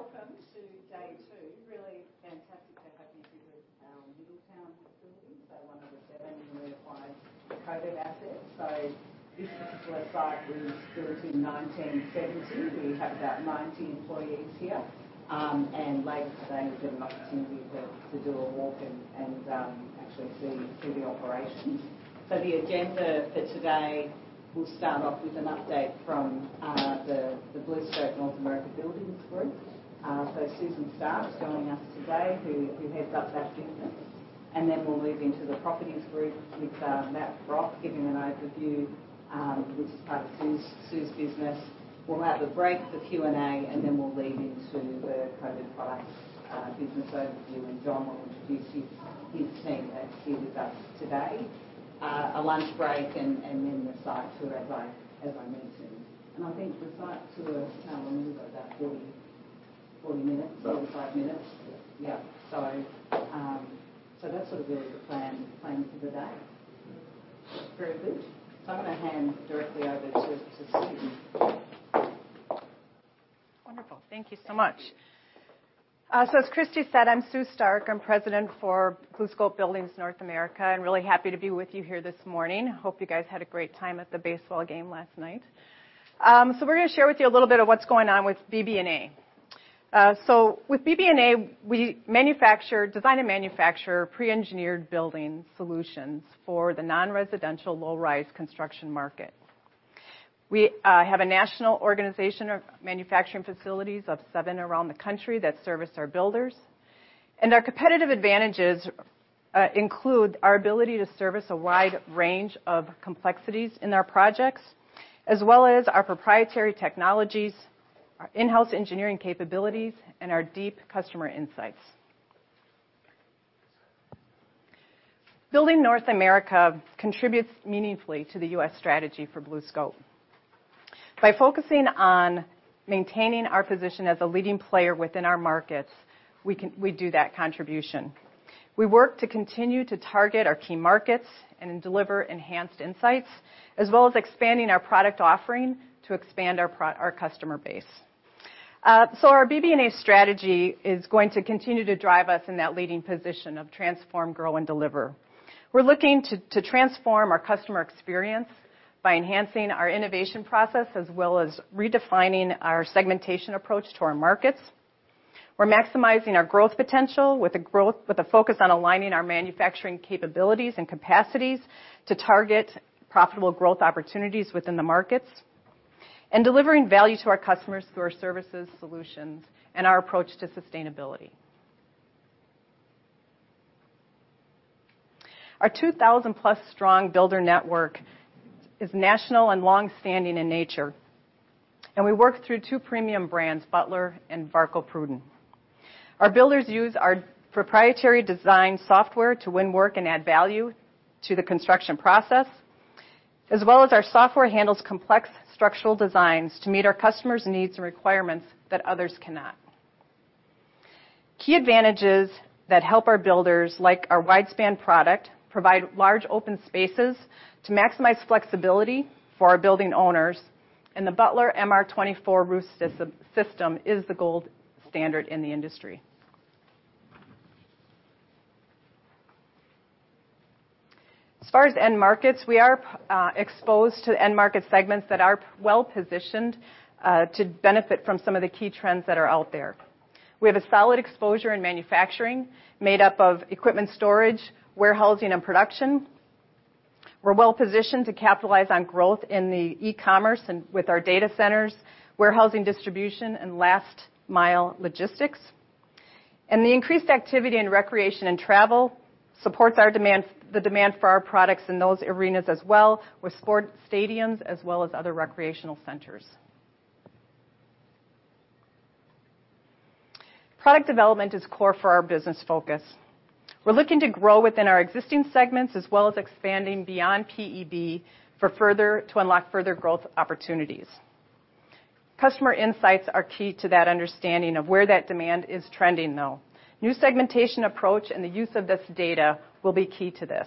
Welcome to day 2. Really fantastic to have you here with our Middletown facility. One of the 7 BlueScope core assets. This particular site was built in 1970. We have about 90 employees here. And later today, you'll get an opportunity to do a walk and actually see the operations. The agenda for today, we'll start off with an update from the BlueScope Buildings North America group. Susan Stark's joining us today, who heads up that business. We'll move into the Properties Group with Matthew Roth giving an overview, which is part of Sue's business. We'll have a break for Q&A, and then we'll lead into the core products business overview, and John will introduce his team that's here with us today. A lunch break and then the site tour as I mentioned. I think the site tour, how long have we got? About 40 minutes. About. 45 minutes. Yeah. Yeah. That's sort of the plan, planning for the day. Very good. I'm gonna hand directly over to Susan. Wonderful. Thank you so much. As Christie said, I'm Sue Stark. I'm president for BlueScope Buildings North America, and really happy to be with you here this morning. Hope you guys had a great time at the baseball game last night. We're gonna share with you a little bit of what's going on with BB&A. With BB&A, we design and manufacture pre-engineered building solutions for the non-residential low-rise construction market. We have a national organization of manufacturing facilities of seven around the country that service our builders. Our competitive advantages include our ability to service a wide range of complexities in our projects, as well as our proprietary technologies, our in-house engineering capabilities, and our deep customer insights. Building North America contributes meaningfully to the U.S. strategy for BlueScope. By focusing on maintaining our position as a leading player within our markets, we do that contribution. We work to continue to target our key markets and deliver enhanced insights, as well as expanding our product offering to expand our customer base. Our BB&A strategy is going to continue to drive us in that leading position of transform, grow, and deliver. We're looking to transform our customer experience by enhancing our innovation process as well as redefining our segmentation approach to our markets. We're maximizing our growth potential with a focus on aligning our manufacturing capabilities and capacities to target profitable growth opportunities within the markets. Delivering value to our customers through our services, solutions, and our approach to sustainability. Our 2,000+ strong builder network is national and long-standing in nature, and we work through two premium brands, Butler and Varco Pruden. Our builders use our proprietary design software to win work and add value to the construction process, as well as our software handles complex structural designs to meet our customers' needs and requirements that others cannot. Key advantages that help our builders, like our Widespan product, provide large open spaces to maximize flexibility for our building owners, and the Butler MR-24 roof system is the gold standard in the industry. As far as end markets, we are exposed to end market segments that are well-positioned to benefit from some of the key trends that are out there. We have a solid exposure in manufacturing made up of equipment storage, warehousing and production. We're well-positioned to capitalize on growth in the e-commerce and with our data centers, warehousing, distribution, and last-mile logistics. The increased activity in recreation and travel supports our demand for our products in those arenas as well with sports stadiums as well as other recreational centers. Product development is core for our business focus. We're looking to grow within our existing segments as well as expanding beyond PED to unlock further growth opportunities. Customer insights are key to that understanding of where that demand is trending, though. New segmentation approach and the use of this data will be key to this.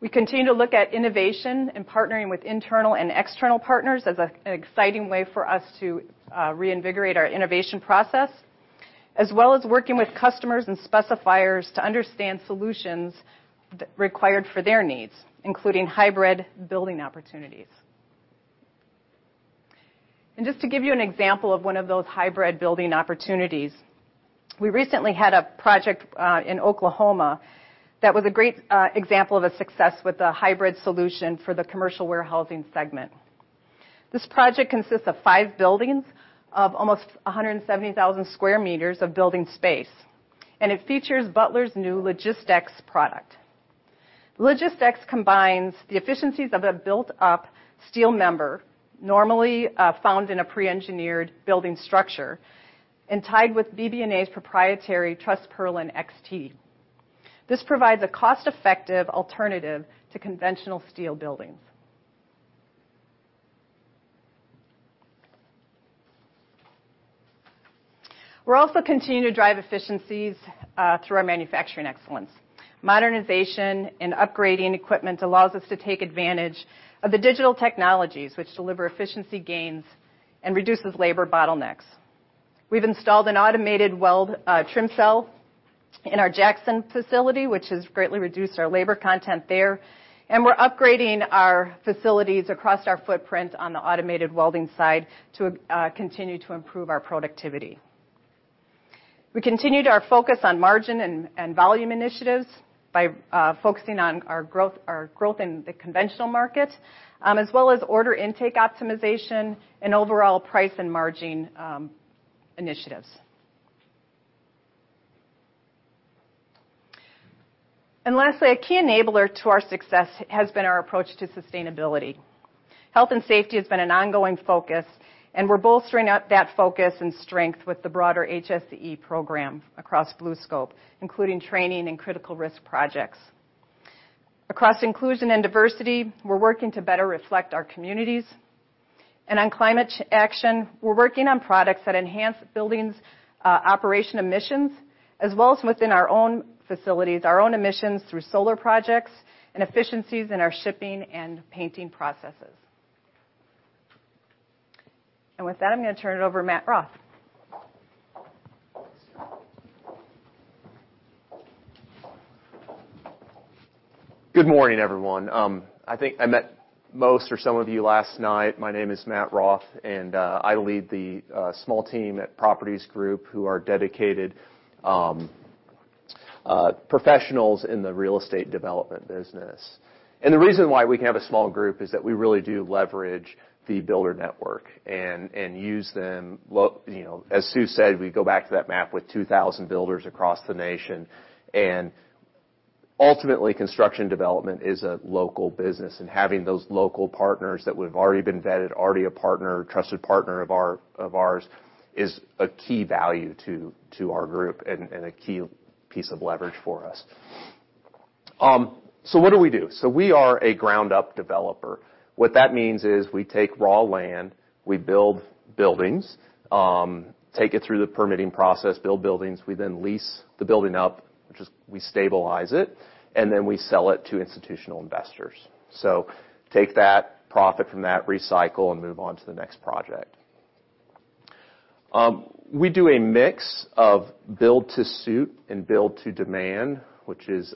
We continue to look at innovation and partnering with internal and external partners as a, an exciting way for us to reinvigorate our innovation process, as well as working with customers and specifiers to understand solutions required for their needs, including hybrid building opportunities. Just to give you an example of one of those hybrid building opportunities, we recently had a project in Oklahoma that was a great example of a success with a hybrid solution for the commercial warehousing segment. This project consists of 5 buildings of almost 170,000 square meters of building space, and it features Butler's new LogistX product. LogistX combines the efficiencies of a built-up steel member normally found in a pre-engineered building structure and tied with BB&A's proprietary Truss PurlinXT. This provides a cost-effective alternative to conventional steel buildings. We're also continuing to drive efficiencies through our manufacturing excellence. Modernization and upgrading equipment allows us to take advantage of the digital technologies, which deliver efficiency gains and reduces labor bottlenecks. We've installed an automated weld trim cell in our Jackson facility, which has greatly reduced our labor content there, and we're upgrading our facilities across our footprint on the automated welding side to continue to improve our productivity. We continued our focus on margin and volume initiatives by focusing on our growth, our growth in the conventional market, as well as order intake optimization and overall price and margin initiatives. Lastly, a key enabler to our success has been our approach to sustainability. Health and safety has been an ongoing focus, and we're bolstering up that focus and strength with the broader HSE program across BlueScope, including training and critical risk projects. Across inclusion and diversity, we're working to better reflect our communities. On climate action, we're working on products that enhance buildings, operation emissions, as well as within our own facilities, our own emissions through solar projects and efficiencies in our shipping and painting processes. With that, I'm gonna turn it over to Matt Roth. Good morning, everyone. I think I met most or some of you last night. My name is Matt Roth, I lead the small team at Properties Group who are dedicated professionals in the real estate development business. The reason why we can have a small group is that we really do leverage the builder network and use them, you know, as Sue said, we go back to that map with 2,000 builders across the nation. Ultimately, construction development is a local business, and having those local partners that would have already been vetted, already a partner, trusted partner of ours is a key value to our group and a key piece of leverage for us. What do we do? We are a ground-up developer. What that means is we take raw land, we build buildings, take it through the permitting process, build buildings. We then lease the building up, just we stabilize it, and then we sell it to institutional investors. Take that profit from that recycle and move on to the next project. We do a mix of build to suit and build to demand, which is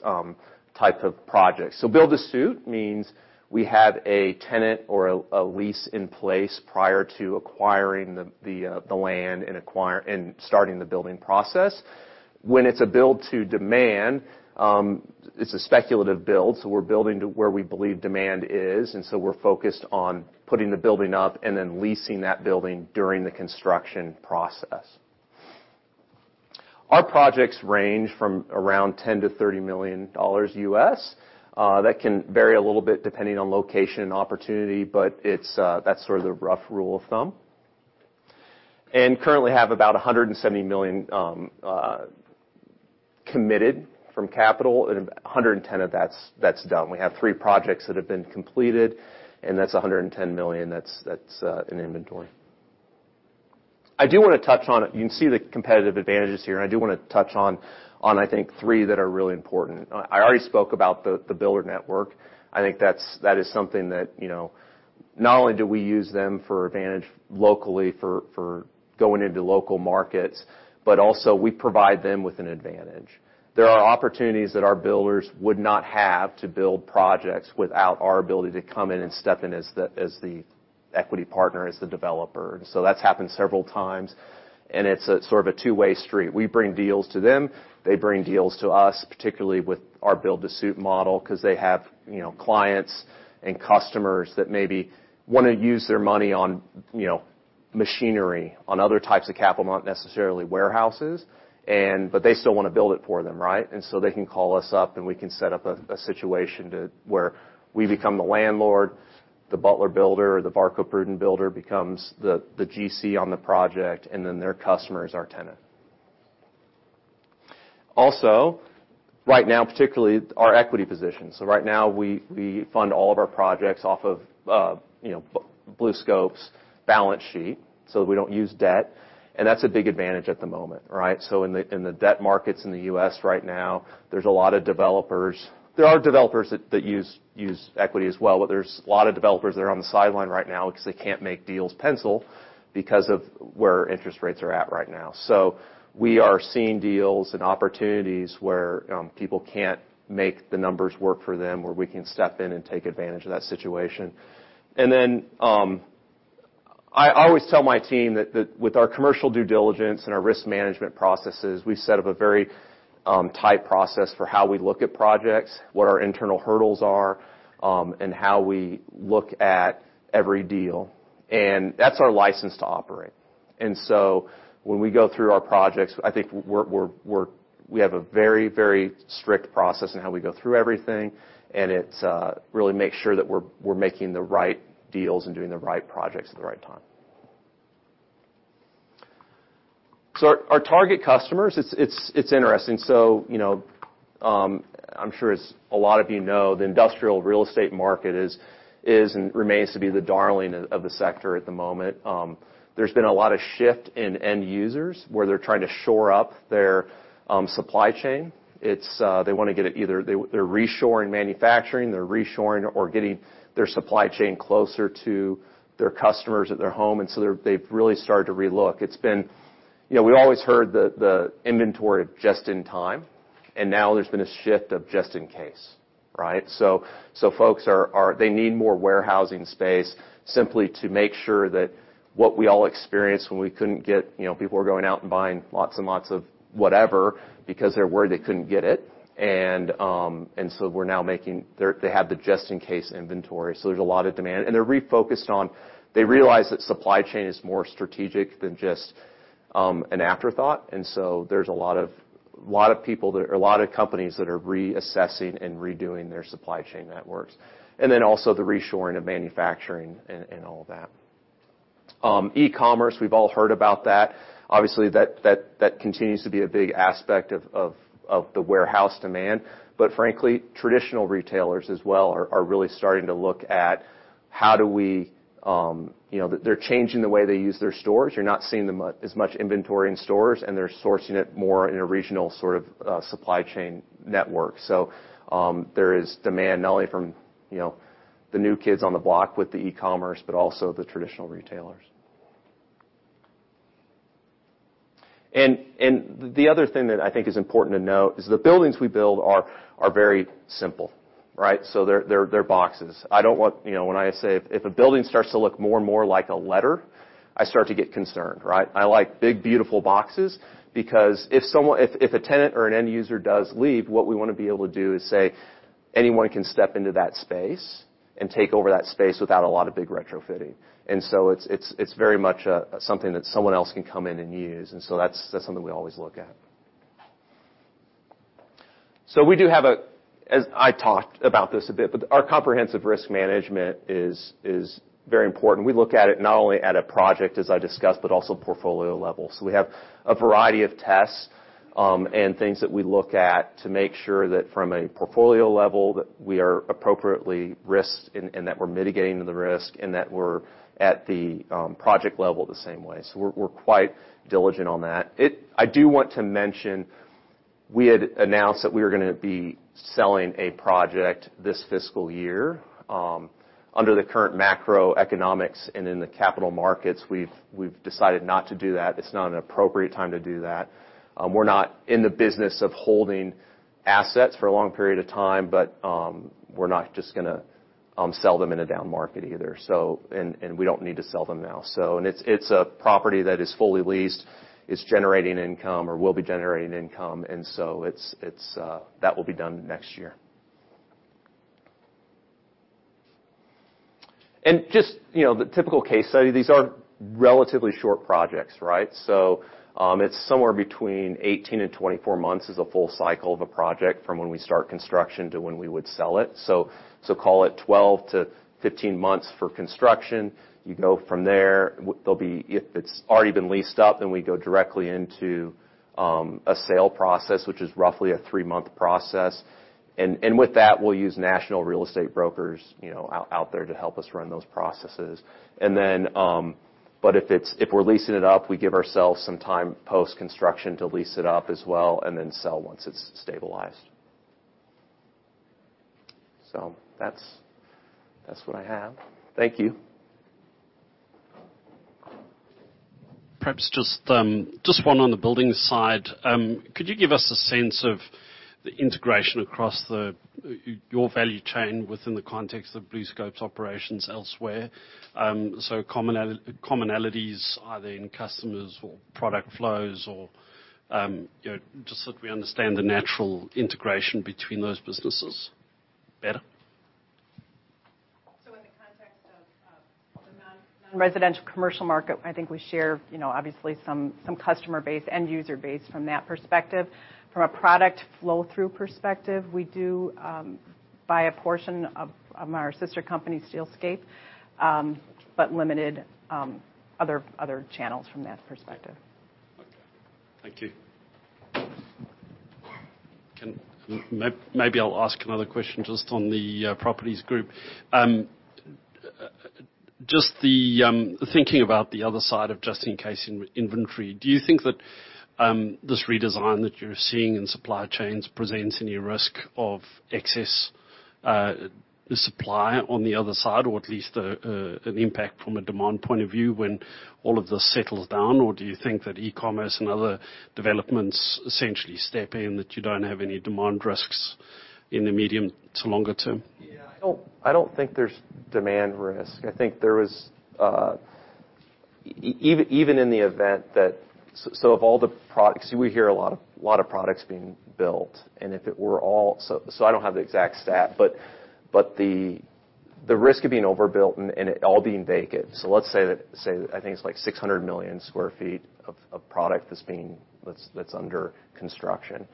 type of project. Build to suit means we have a tenant or a lease in place prior to acquiring the land and starting the building process. When it's a build to demand, it's a speculative build, we're focused on putting the building up and then leasing that building during the construction process. Our projects range from around $10 million to 30 million U.S. That can vary a little bit depending on location and opportunity, but it's, that's sort of the rough rule of thumb. Currently have about $170 million committed from capital and $110 of that's done. We have three projects that have been completed, and that's $110 million that's in inventory. I do wanna touch on. You can see the competitive advantages here, and I do wanna touch on, I think, three that are really important. I already spoke about the builder network. I think that is something that, you know, not only do we use them for advantage locally for going into local markets, but also we provide them with an advantage. There are opportunities that our builders would not have to build projects without our ability to come in and step in as the, as the equity partner, as the developer. That's happened several times, and it's a sort of a two-way street. We bring deals to them. They bring deals to us, particularly with our build-to-suit model, 'cause they have, you know, clients and customers that maybe wanna use their money on, you know, machinery, on other types of capital, not necessarily warehouses. They still wanna build it for them, right? They can call us up, and we can set up a situation to where we become the landlord, the Butler builder or the Varco Pruden builder becomes the GC on the project, and then their customer is our tenant. Right now, particularly our equity position. Right now, we fund all of our projects off of, you know, BlueScope's balance sheet, so we don't use debt, and that's a big advantage at the moment, right? In the debt markets in the U.S. right now, there's a lot of developers. There are developers that use equity as well, but there's a lot of developers that are on the sideline right now because they can't make deals pencil because of where interest rates are at right now. We are seeing deals and opportunities where people can't make the numbers work for them, where we can step in and take advantage of that situation. I always tell my team that with our commercial due diligence and our risk management processes, we set up a very tight process for how we look at projects, what our internal hurdles are, and how we look at every deal. That's our license to operate. When we go through our projects, I think we have a very, very strict process in how we go through everything, and it's really make sure that we're making the right deals and doing the right projects at the right time. Our target customers, it's interesting. You know, I'm sure as a lot of you know, the industrial real estate market is and remains to be the darling of the sector at the moment. There's been a lot of shift in end users where they're trying to shore up their supply chain. They're reshoring manufacturing, they're reshoring or getting their supply chain closer to their customers at their home, and so they've really started to relook. It's been. You know, we always heard the inventory just in time, and now there's been a shift of just in case, right? Folks need more warehousing space simply to make sure that what we all experienced when we couldn't get, you know, people were going out and buying lots and lots of whatever because they're worried they couldn't get it. We're now making. They have the just in case inventory, so there's a lot of demand. They're refocused on. They realize that supply chain is more strategic than just an afterthought. There's a lot of companies that are reassessing and redoing their supply chain networks. Also the reshoring of manufacturing and all that. E-commerce, we've all heard about that. Obviously, that continues to be a big aspect of the warehouse demand. Frankly, traditional retailers as well are really starting to look at how do we, you know... They're changing the way they use their stores. You're not seeing as much inventory in stores, and they're sourcing it more in a regional sort of supply chain network. There is demand not only from, you know, the new kids on the block with the e-commerce, but also the traditional retailers. The other thing that I think is important to note is the buildings we build are very simple, right? They're boxes. I don't want... You know, when I say if a building starts to look more and more like a letter, I start to get concerned, right? I like big, beautiful boxes because if a tenant or an end user does leave, what we wanna be able to do is say, "Anyone can step into that space and take over that space without a lot of big retrofitting." It's very much something that someone else can come in and use. That's something we always look at. We do have a... As I talked about this a bit, but our comprehensive risk management is very important. We look at it not only at a project, as I discussed, but also portfolio level. We have a variety of tests, and things that we look at to make sure that from a portfolio level, that we are appropriately risked and that we're mitigating the risk, and that we're at the project level the same way. We're quite diligent on that. I do want to mention, we had announced that we were gonna be selling a project this fiscal year. Under the current macroeconomics and in the capital markets, we've decided not to do that. It's not an appropriate time to do that. We're not in the business of holding assets for a long period of time, but we're not just gonna sell them in a down market either. We don't need to sell them now. It's a property that is fully leased. It's generating income or will be generating income. That will be done next year. Just, you know, the typical case study, these are relatively short projects, right? It's somewhere between 18 and 24 months is a full cycle of a project from when we start construction to when we would sell it. Call it 12 to 15 months for construction. There'll be. If it's already been leased up, then we go directly into a sale process, which is roughly a 3-month process. With that, we'll use national real estate brokers, you know, out there to help us run those processes. If we're leasing it up, we give ourselves some time post-construction to lease it up as well and then sell once it's stabilized. That's what I have. Thank you. Perhaps just one on the building side. Could you give us a sense of the integration across your value chain within the context of BlueScope's operations elsewhere? Commonalities either in customers or product flows or, you know, just so that we understand the natural integration between those businesses better. In the context of the non-residential commercial market, I think we share, you know, obviously some customer base, end user base from that perspective. From a product flow-through perspective, we do buy a portion of our sister company, Steelscape, but limited other channels from that perspective. Okay. Thank you. Maybe I'll ask another question just on the Properties Group, just the thinking about the other side of just-in-case in-inventory, do you think that this redesign that you're seeing in supply chains presents any risk of excess supply on the other side, or at least an impact from a demand point of view when all of this settles down, or do you think that e-commerce and other developments essentially step in, that you don't have any demand risks in the medium to longer term? I don't think there's demand risk. I think there is. Even in the event that. Of all the products, we hear a lot of products being built, and if it were all. I don't have the exact stat, but the risk of being overbuilt and it all being vacant. Let's say that I think it's like 600 million sq ft of product that's under construction.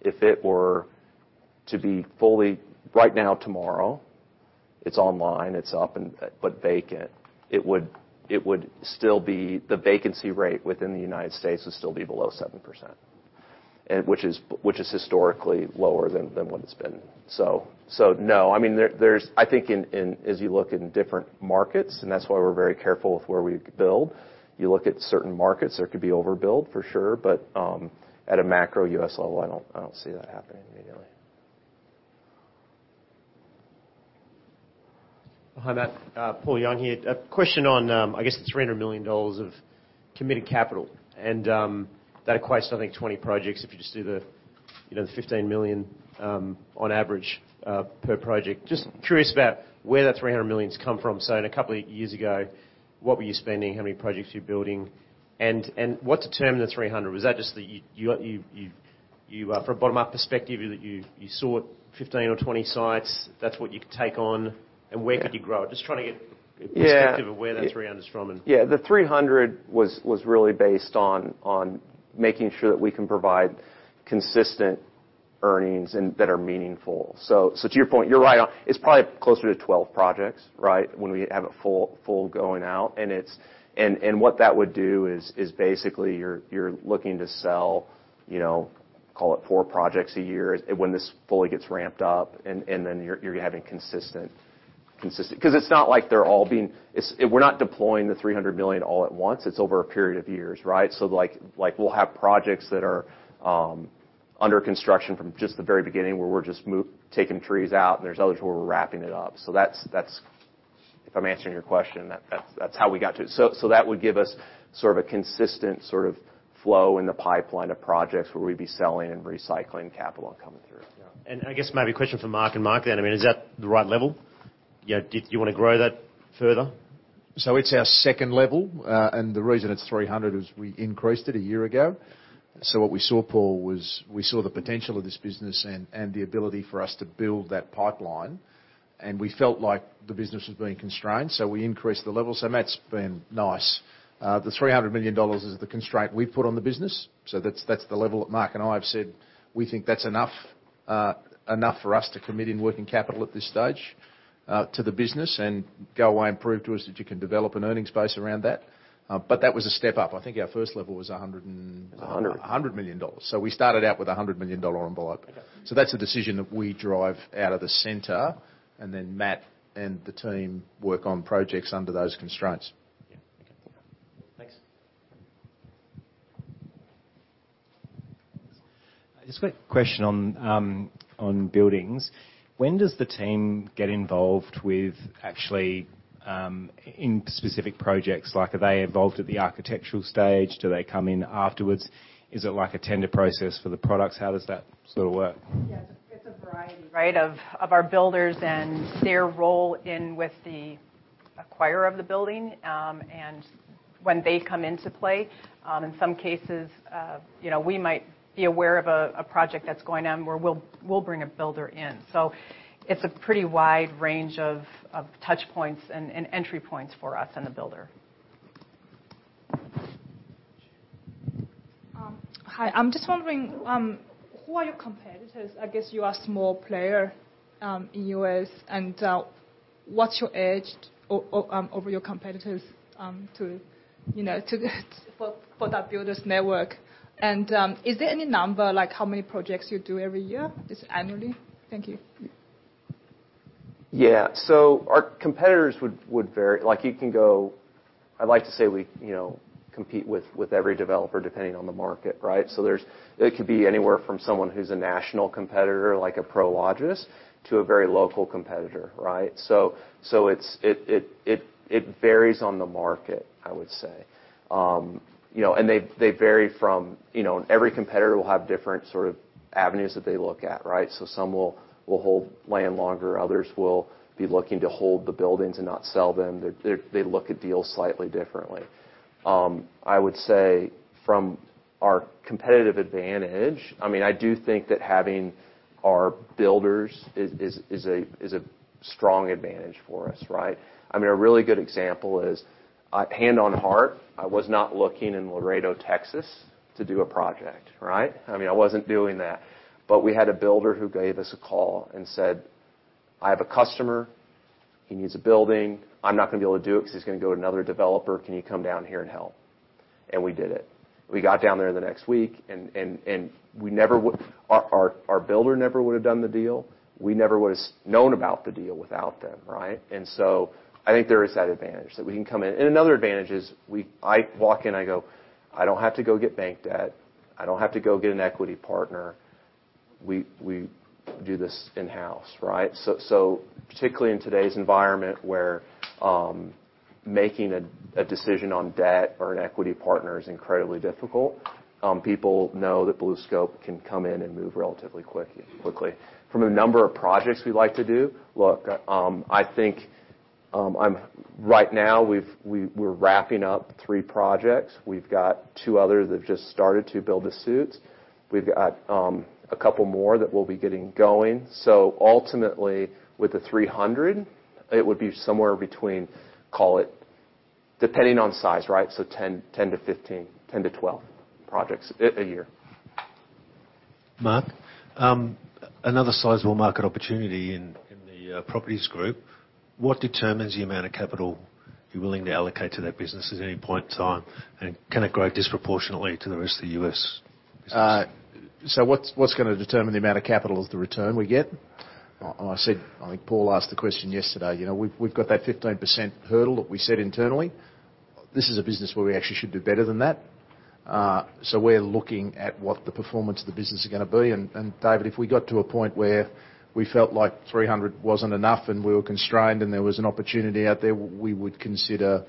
If it were Right now tomorrow, it's online, it's up and but vacant. It would still be the vacancy rate within the United States would still be below 7%. Which is historically lower than what it's been. No. I mean, there's I think in as you look in different markets, and that's why we're very careful with where we build, you look at certain markets that could be overbuilt for sure. At a macro U.S. level, I don't see that happening immediately. Hi, Matt. Paul Young here. A question on, I guess the $300 million of committed capital, and that equates to I think 20 projects if you just do the, you know, the $15 million on average per project. Just curious about where that $300 million's come from. In a couple years ago, what were you spending? How many projects were you building? What determined the $300? Was that just that you, from a bottom-up perspective, you sought 15 or 20 sites, that's what you could take on, and where could you grow? Yeah. -a perspective of where that 300's from and- Yeah. The $300 million was really based on making sure that we can provide consistent earnings and that are meaningful. To your point, you're right on. It's probably closer to 12 projects, right, when we have it full going out. What that would do is basically you're looking to sell, you know, call it 4 projects a year when this fully gets ramped up, and then you're having consistent... Cause it's not like We're not deploying the $300 million all at once. It's over a period of years, right? Like we'll have projects that are under construction from just the very beginning, where we're just taking trees out, and there's others where we're wrapping it up. That's, if I'm answering your question, that's how we got to it. That would give us sort of a consistent sort of flow in the pipeline of projects where we'd be selling and recycling capital coming through. Yeah. I guess maybe a question for Mark and Mark then. I mean, is that the right level? You know, do you wanna grow that further? It's our second level, and the reason it's 300 is we increased it a year ago. What we saw, Paul, was we saw the potential of this business and the ability for us to build that pipeline, and we felt like the business was being constrained, so we increased the level. Matt's been nice. The 300 million dollars is the constraint we've put on the business. That's the level that Mark and I have said we think that's enough for us to commit in working capital at this stage, to the business and go away and prove to us that you can develop an earnings base around that. That was a step up. I think our first level was 100 and... 100. $100 million. We started out with a $100 million dollar envelope. Okay. That's a decision that we drive out of the center, and then Matt and the team work on projects under those constraints. Yeah. Okay. Thanks. I've just got a question on buildings. When does the team get involved with actually, in specific projects? Like are they involved at the architectural stage? Do they come in afterwards? Is it like a tender process for the products? How does that sort of work? Yeah. It's a variety, right, of our builders and their role in with the acquirer of the building, and when they come into play. In some cases, you know, we might be aware of a project that's going on where we'll bring a builder in. It's a pretty wide range of touch points and entry points for us and the builder. Sure. Hi. I'm just wondering who are your competitors? I guess you are small player in U.S., what's your edge over your competitors for that builders network. Is there any number, like how many projects you do every year, just annually? Thank you. Yeah. Our competitors would vary. Like, you can go. I'd like to say we, you know, compete with every developer depending on the market, right? It could be anywhere from someone who's a national competitor, like a Prologis, to a very local competitor, right? It's, it varies on the market, I would say. You know, and they vary from, you know, every competitor will have different sort of avenues that they look at, right? Some will hold land longer. Others will be looking to hold the buildings and not sell them. They look at deals slightly differently. I would say from our competitive advantage, I mean, I do think that having our builders is a strong advantage for us, right? I mean, a really good example is, I hand on heart, I was not looking in Laredo, Texas, to do a project, right? I mean, I wasn't doing that. We had a builder who gave us a call and said, "I have a customer. He needs a building. I'm not gonna be able to do it 'cause he's gonna go to another developer. Can you come down here and help?" We did it. We got down there the next week. Our builder never would have done the deal. We never would've known about the deal without them, right? I think there is that advantage, that we can come in. Another advantage is I walk in, I go, "I don't have to go get bank debt. I don't have to go get an equity partner. We do this in-house, right? Particularly in today's environment where making a decision on debt or an equity partner is incredibly difficult, people know that BlueScope can come in and move relatively quickly. From a number of projects we like to do, look, I think, Right now we're wrapping up 3 projects. We've got 2 other that have just started to build-to-suit. We've got a couple more that we'll be getting going. Ultimately, with the 300, it would be somewhere between, call it-Depending on size, right? 10 tp 15, 10 to 12 projects a year. Mark, another sizable market opportunity in the properties group, what determines the amount of capital you're willing to allocate to that business at any point in time? Can it grow disproportionately to the rest of the U.S.? So what's gonna determine the amount of capital is the return we get. I think Paul asked the question yesterday, you know, we've got that 15% hurdle that we set internally. This is a business where we actually should do better than that. David, if we got to a point where we felt like 300 wasn't enough, and we were constrained, and there was an opportunity out there, we would consider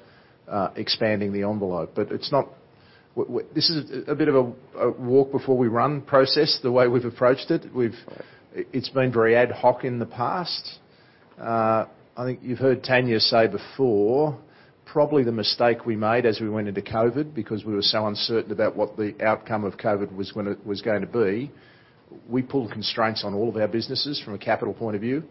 expanding the envelope. It's not. This is a bit of a walk before we run process, the way we've approached it. We've. It's been very ad hoc in the past. I think you've heard Tanya say before, probably the mistake we made as we went into core, because we were so uncertain about what the outcome of core was going to be, we pulled constraints on all of our businesses from a capital point of view.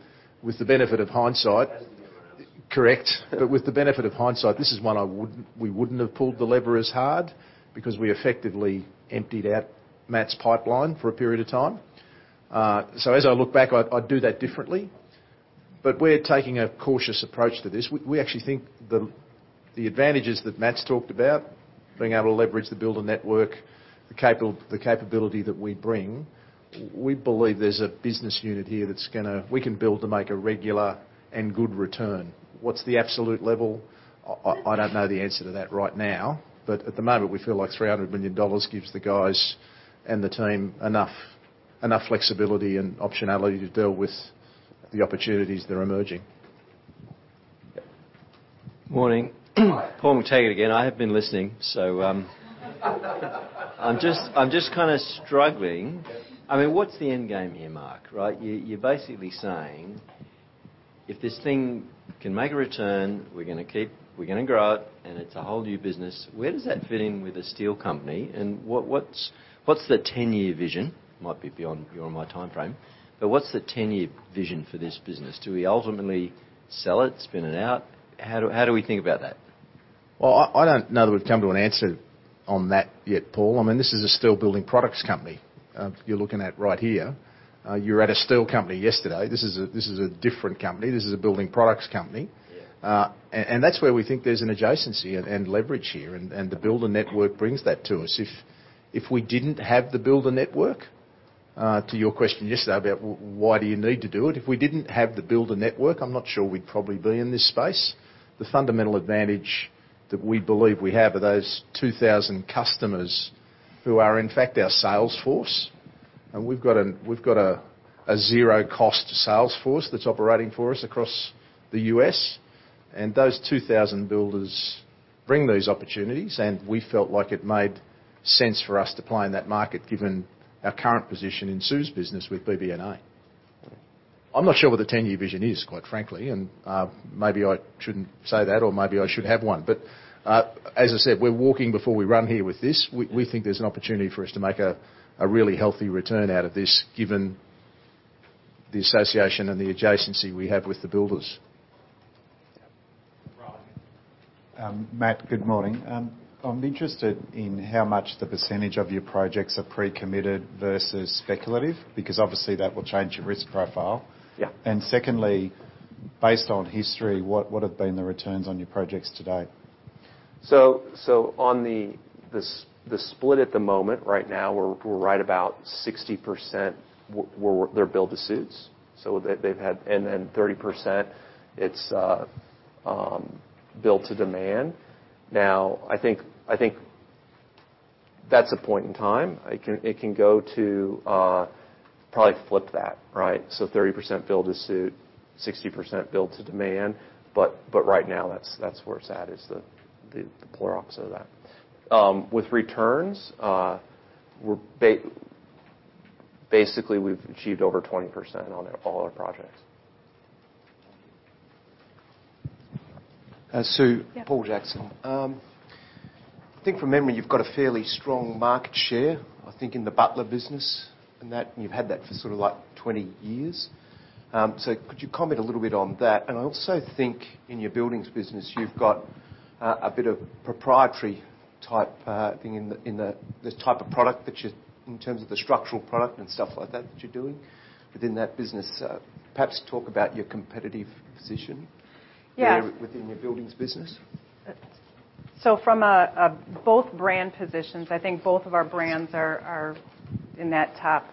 With the benefit of hindsight. Better than everyone else. Correct. With the benefit of hindsight, this is one we wouldn't have pulled the lever as hard because we effectively emptied out Matthew Roth's pipeline for a period of time. As I look back, I'd do that differently. We're taking a cautious approach to this. We actually think the advantages that Matthew Roth's talked about, being able to leverage the builder network, the capability that we bring, we believe there's a business unit here that we can build to make a regular and good return. What's the absolute level? I don't know the answer to that right now. At the moment, we feel like $300 million gives the guys and the team enough flexibility and optionality to deal with the opportunities that are emerging. Yeah. Morning. Hi. Paul McTaggart again. I have been listening, so, I'm just kinda struggling. Yes. I mean, what's the end game here, Mark? Right? You're basically saying, if this thing can make a return, we're gonna grow it, and it's a whole new business. Where does that fit in with a steel company? What's the 10-year vision? Might be beyond my timeframe, but what's the 10-year vision for this business? Do we ultimately sell it, spin it out? How do we think about that? Well, I don't know that we've come to an answer on that yet, Paul. I mean, this is a steel building products company, you're looking at right here. You were at a steel company yesterday. This is a different company. This is a building products company. Yeah. And that's where we think there's an adjacency and leverage here. The builder network brings that to us. If we didn't have the builder network, to your question yesterday about why do you need to do it? If we didn't have the builder network, I'm not sure we'd probably be in this space. The fundamental advantage that we believe we have are those 2,000 customers who are, in fact, our sales force. We've got a zero-cost sales force that's operating for us across the U.S. Those 2,000 builders bring those opportunities, and we felt like it made sense for us to play in that market, given our current position in Sue's business with BBNA. I'm not sure what the 10-year vision is, quite frankly. Maybe I shouldn't say that or maybe I should have one. As I said, we're walking before we run here with this. We think there's an opportunity for us to make a really healthy return out of this, given the association and the adjacency we have with the builders. Yeah. Brian. Matt, good morning. I'm interested in how much the percentage of your projects are pre-committed versus speculative, because obviously that will change your risk profile. Yeah. Secondly, based on history, what have been the returns on your projects to date? On the split at the moment, right now we're right about 60% they're build-to-suit. Then 30% it's build-to-demand. That's a point in time. It can go to probably flip that, right? 30% build-to-suit, 60% build-to-demand. Right now that's where it's at, is the crux of that. With returns, basically, we've achieved over 20% on all our projects. Thank you. Sue. Yeah. Paul Jackson. I think from memory, you've got a fairly strong market share, I think in the Butler business and that, and you've had that for sort of like 20 years. Could you comment a little bit on that? I also think in your buildings business, you've got a bit of proprietary type thing in this type of product in terms of the structural product and stuff like that you're doing within that business. Perhaps talk about your competitive position. Yeah. within your buildings business. From a both brand positions, I think both of our brands are in that top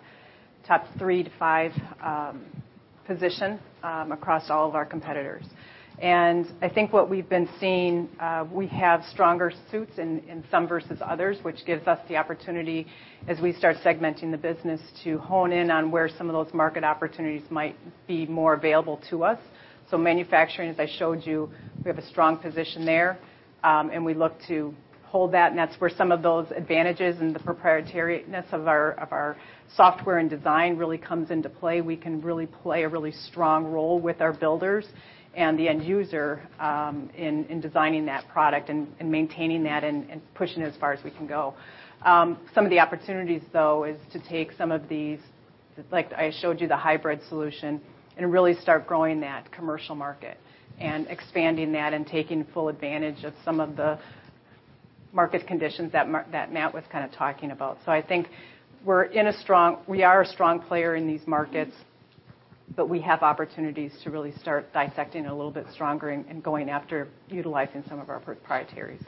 3 to 5 position across all of our competitors. I think what we've been seeing, we have stronger suits in some versus others, which gives us the opportunity as we start segmenting the business to hone in on where some of those market opportunities might be more available to us. Manufacturing, as I showed you, we have a strong position there, and we look to hold that. That's where some of those advantages and the proprietariness of our software and design really comes into play. We can really play a strong role with our builders and the end user, in designing that product and maintaining that and pushing it as far as we can go. some of the opportunities, though, is to take some of theseLike I showed you the hybrid solution, and really start growing that commercial market and expanding that and taking full advantage of some of the market conditions that Matt was kind of talking about. I think we are a strong player in these markets, but we have opportunities to really start dissecting a little bit stronger and going after utilizing some of our proprietaries.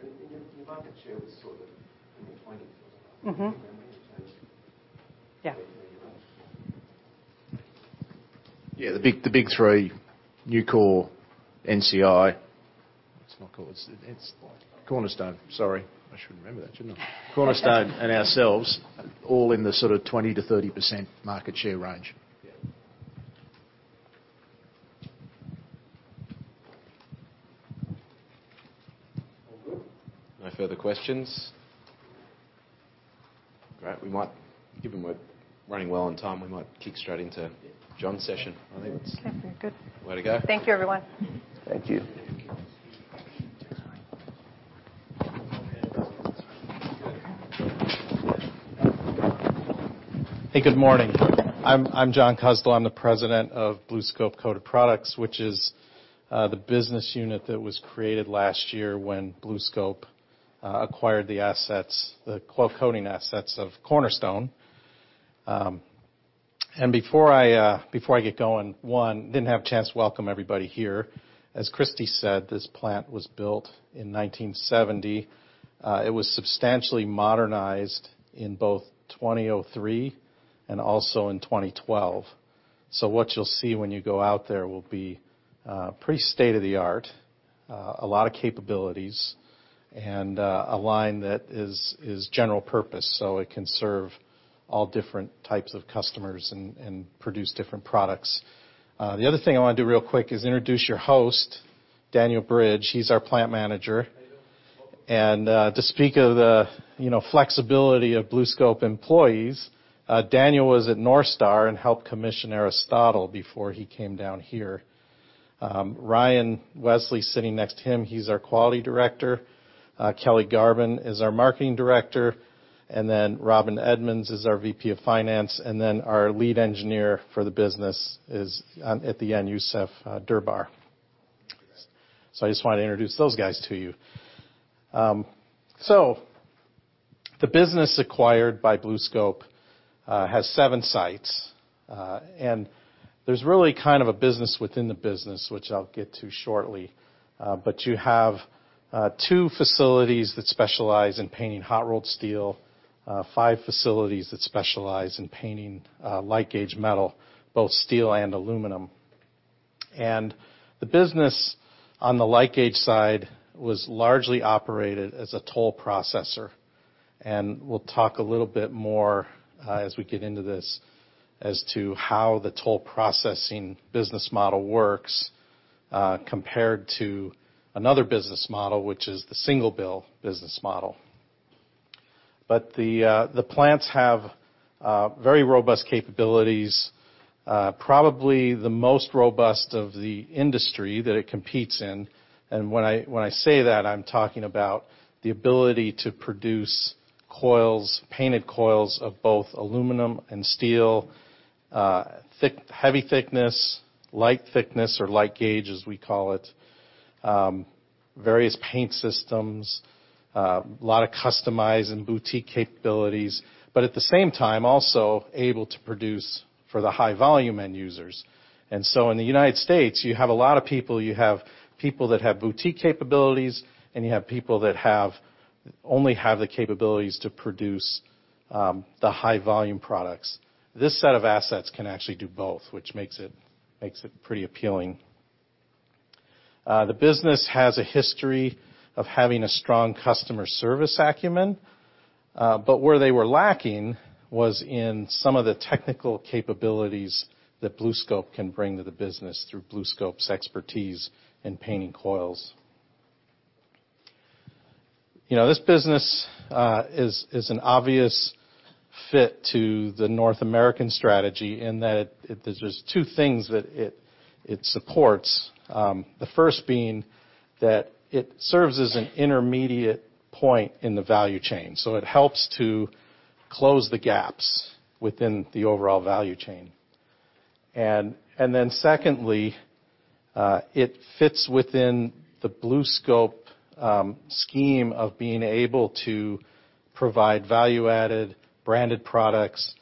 Your market share was sort of in the 20s. Yeah. Yeah. The big, the big three, Nucor, NCI. What's it called? It's Cornerstone, sorry. I should remember that, shouldn't I? Cornerstone and ourselves, all in the sort of 20 to 30% market share range. Yeah. All good. No further questions. Great. Given we're running well on time, we might kick straight into John's session. Okay. Good. Way to go. Thank you, everyone. Thank you. Hey, good morning. I'm John Kuszel. I'm the president of BlueScope Coated Products, which is the business unit that was created last year when BlueScope acquired the assets, the coil coating assets of Cornerstone. Before I get going, one, didn't have a chance to welcome everybody here. As Christie said, this plant was built in 1970. It was substantially modernized in both 2003 and also in 2012. What you'll see when you go out there will be pretty state-of-the-art, a lot of capabilities and a line that is general purpose, so it can serve all different types of customers and produce different products. The other thing I wanna do real quick is introduce your host, Daniel Bridge. He's our plant manager. How you doing? To speak of the, you know, flexibility of BlueScope employees, Daniel was at North Star and helped commission Aristotle before he came down here. Ryan Wesley, sitting next to him, he's our quality director. Kelli Garvin is our marketing director, Robyn Edmonds is our VP of finance, our lead engineer for the business is at the end, Youssef Darbar. I just wanted to introduce those guys to you. The business acquired by BlueScope has seven sites, there's really kind of a business within the business, which I'll get to shortly. You have two facilities that specialize in painting hot-rolled steel, five facilities that specialize in painting light-gauge metal, both steel and aluminum. The business on the light-gauge side was largely operated as a toll processor. We'll talk a little bit more, as we get into this as to how the toll processing business model works, compared to another business model, which is the single bill business model. The plants have very robust capabilities, probably the most robust of the industry that it competes in. When I say that, I'm talking about the ability to produce coils, painted coils of both aluminum and steel, heavy thickness, light thickness or light gauge, as we call it, various paint systems, lot of customize and boutique capabilities, but at the same time, also able to produce for the high volume end users. In the United States, you have a lot of people, you have people that have boutique capabilities, and you have people that only have the capabilities to produce the high volume products. This set of assets can actually do both, which makes it, makes it pretty appealing. The business has a history of having a strong customer service acumen, but where they were lacking was in some of the technical capabilities that BlueScope can bring to the business through BlueScope's expertise in painting coils. You know, this business, is an obvious fit to the North American strategy in that it. There's two things that it supports. The first being that it serves as an intermediate point in the value chain, so it helps to close the gaps within the overall value chain. Secondly, it fits within the BlueScope scheme of being able to provide value-added branded products.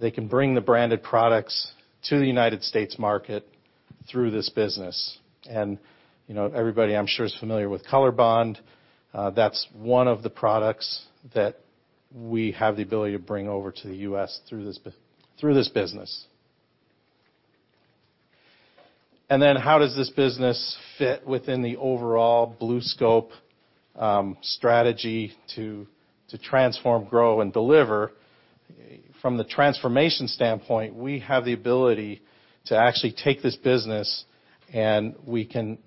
They can bring the branded products to the United States market through this business. You know, everybody, I'm sure, is familiar with COLORBOND. That's one of the products that we have the ability to bring over to the US through this business. How does this business fit within the overall BlueScope strategy to transform, grow and deliver? From the transformation standpoint, we have the ability to actually take this business, and we can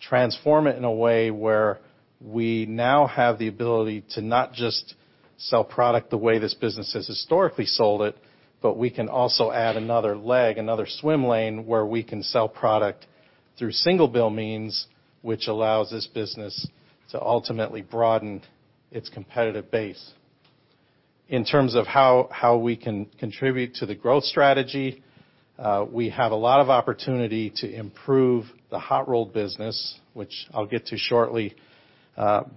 transform it in a way where we now have the ability to not just sell product the way this business has historically sold it, but we can also add another leg, another swim lane where we can sell product through single bill means, which allows this business to ultimately broaden its competitive base. In terms of how we can contribute to the growth strategy, we have a lot of opportunity to improve the hot-rolled business, which I'll get to shortly,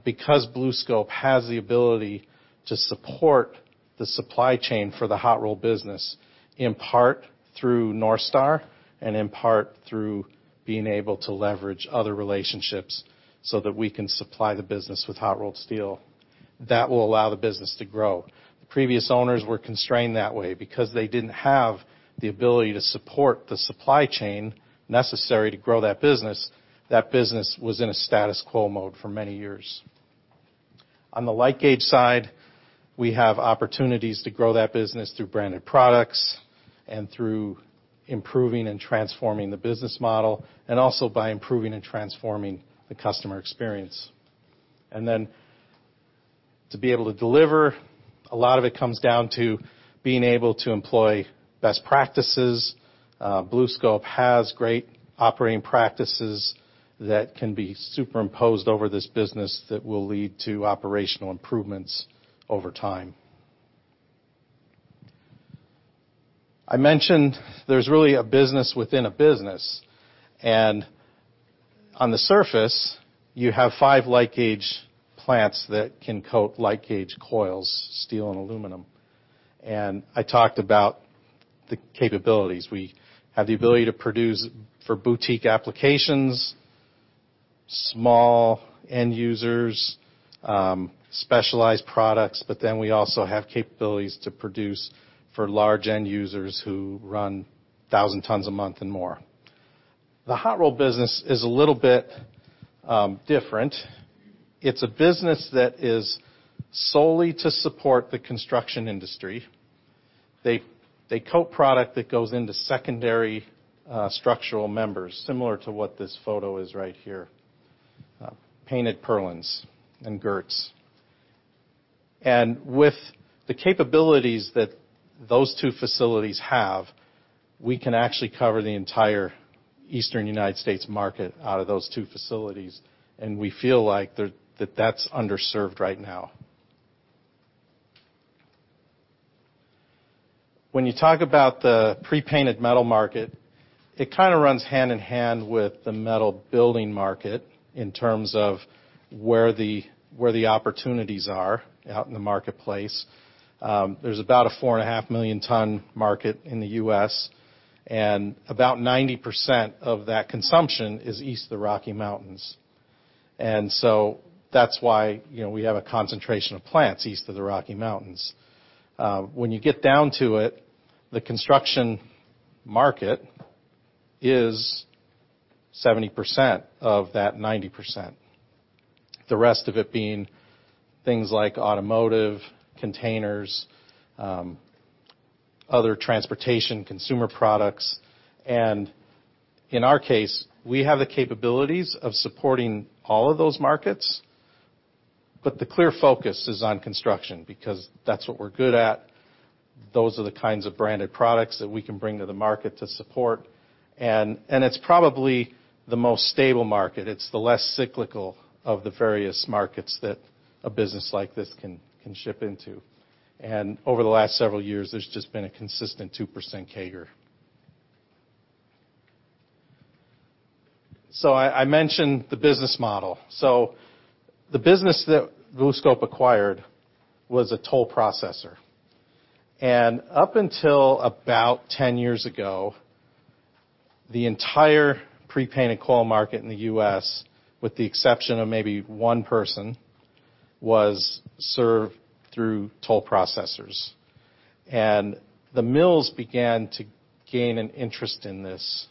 because BlueScope has the ability to support the supply chain for the hot-rolled business, in part through North Star and in part through being able to leverage other relationships so that we can supply the business with hot-rolled steel. That will allow the business to grow. The previous owners were constrained that way. Because they didn't have the ability to support the supply chain necessary to grow that business, that business was in a status quo mode for many years. On the light-gauge side, we have opportunities to grow that business through branded products and through improving and transforming the business model, and also by improving and transforming the customer experience. To be able to deliver, a lot of it comes down to being able to employ best practices. BlueScope has great operating practices that can be superimposed over this business that will lead to operational improvements over time. I mentioned there's really a business within a business, and on the surface, you have 5 light-gauge plants that can coat light-gauge coils, steel and aluminum. I talked about the capabilities. We have the ability to produce for boutique applications, small end users, specialized products. We also have capabilities to produce for large end users who run 1,000 tons a month and more. The hot-rolled business is a little bit different. It's a business that is solely to support the construction industry. They coat product that goes into secondary structural members, similar to what this photo is right here, painted purlins and girts. With the capabilities that those two facilities have, we can actually cover the entire Eastern United States market out of those two facilities, and we feel like that that's underserved right now. When you talk about the pre-painted metal market, it kinda runs hand in hand with the metal building market in terms of where the opportunities are out in the marketplace. There's about a 4.5 million ton market in the U.S., and about 90% of that consumption is east of the Rocky Mountains. That's why, you know, we have a concentration of plants east of the Rocky Mountains. When you get down to it, the construction market is 70% of that 90%, the rest of it being things like automotive, containers, other transportation, consumer products. In our case, we have the capabilities of supporting all of those markets, but the clear focus is on construction because that's what we're good at. Those are the kinds of branded products that we can bring to the market to support. It's probably the most stable market. It's the less cyclical of the various markets that a business like this can ship into. Over the last several years, there's just been a consistent 2% CAGR. I mentioned the business model. The business that BlueScope acquired was a toll processor. Up until about 10 years ago, the entire pre-painted coil market in the U.S., with the exception of maybe one person, was served through toll processors. The mills began to gain an interest in this.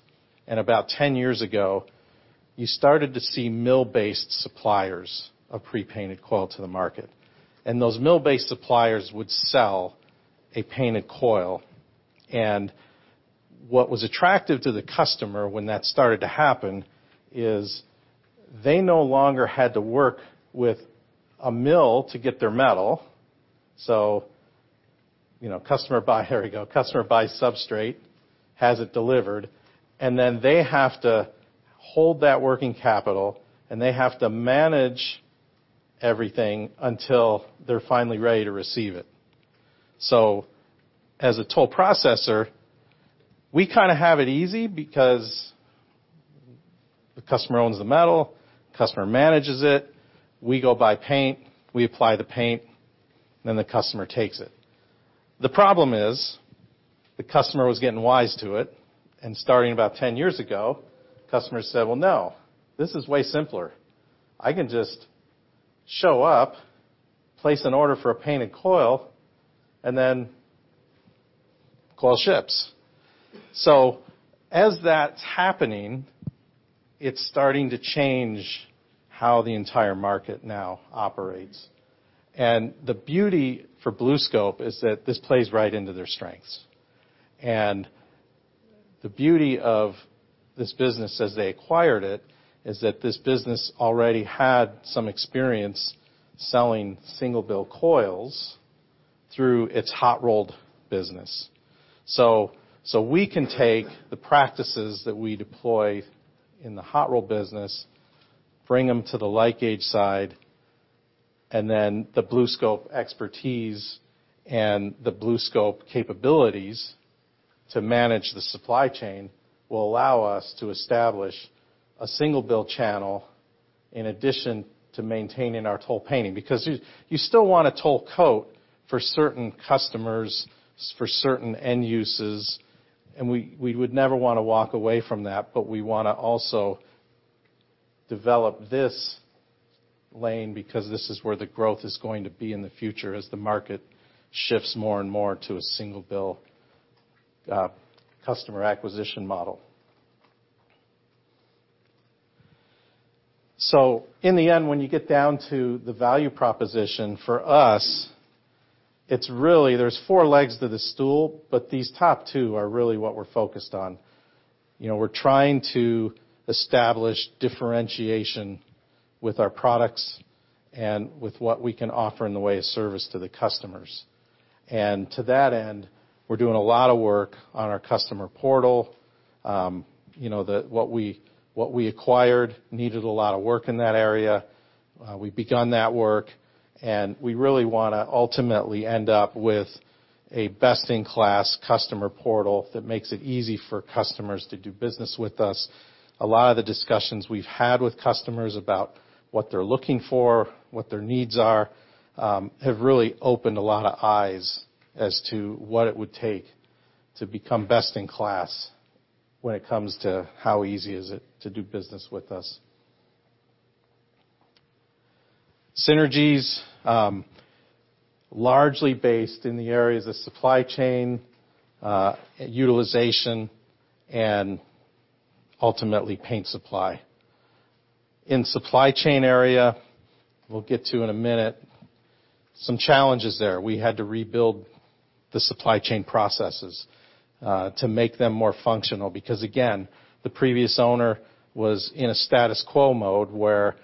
About 10 years ago, you started to see mill-based suppliers of pre-painted coil to the market. Those mill-based suppliers would sell a painted coil. What was attractive to the customer when that started to happen is they no longer had to work with a mill to get their metal. You know, customer. Here we go. Customer buys substrate, has it delivered, and then they have to hold that working capital, and they have to manage everything until they're finally ready to receive it. As a toll processor, we kinda have it easy because the customer owns the metal, customer manages it, we go buy paint, we apply the paint, then the customer takes it. The problem is, the customer was getting wise to it, and starting about 10 years ago, customers said, "Well, no, this is way simpler. I can just show up, place an order for a painted coil, and then coil ships." As that's happening, it's starting to change how the entire market now operates. The beauty for BlueScope is that this plays right into their strengths. The beauty of this business as they acquired it is that this business already had some experience selling single bill coils. Through its hot-rolled business. We can take the practices that we deploy in the hot-rolled business, bring them to the light-gauge side, and then the BlueScope expertise and the BlueScope capabilities to manage the supply chain will allow us to establish a single-bill channel in addition to maintaining our toll painting. You still want a toll coat for certain customers, for certain end uses, and we would never wanna walk away from that. We wanna also develop this lane because this is where the growth is going to be in the future as the market shifts more and more to a single-bill customer acquisition model. In the end, when you get down to the value proposition, for us, it's really there's four legs to the stool, but these top two are really what we're focused on. You know, we're trying to establish differentiation with our products and with what we can offer in the way of service to the customers. To that end, we're doing a lot of work on our customer portal. You know, what we acquired needed a lot of work in that area. We've begun that work, and we really wanna ultimately end up with a best-in-class customer portal that makes it easy for customers to do business with us. A lot of the discussions we've had with customers about what they're looking for, what their needs are, have really opened a lot of eyes as to what it would take to become best in class when it comes to how easy is it to do business with us. Synergies, largely based in the areas of supply chain, utilization, and ultimately paint supply. In supply chain area, we'll get to in a minute some challenges there. We had to rebuild the supply chain processes, to make them more functional because, again, the previous owner was in a status quo mode where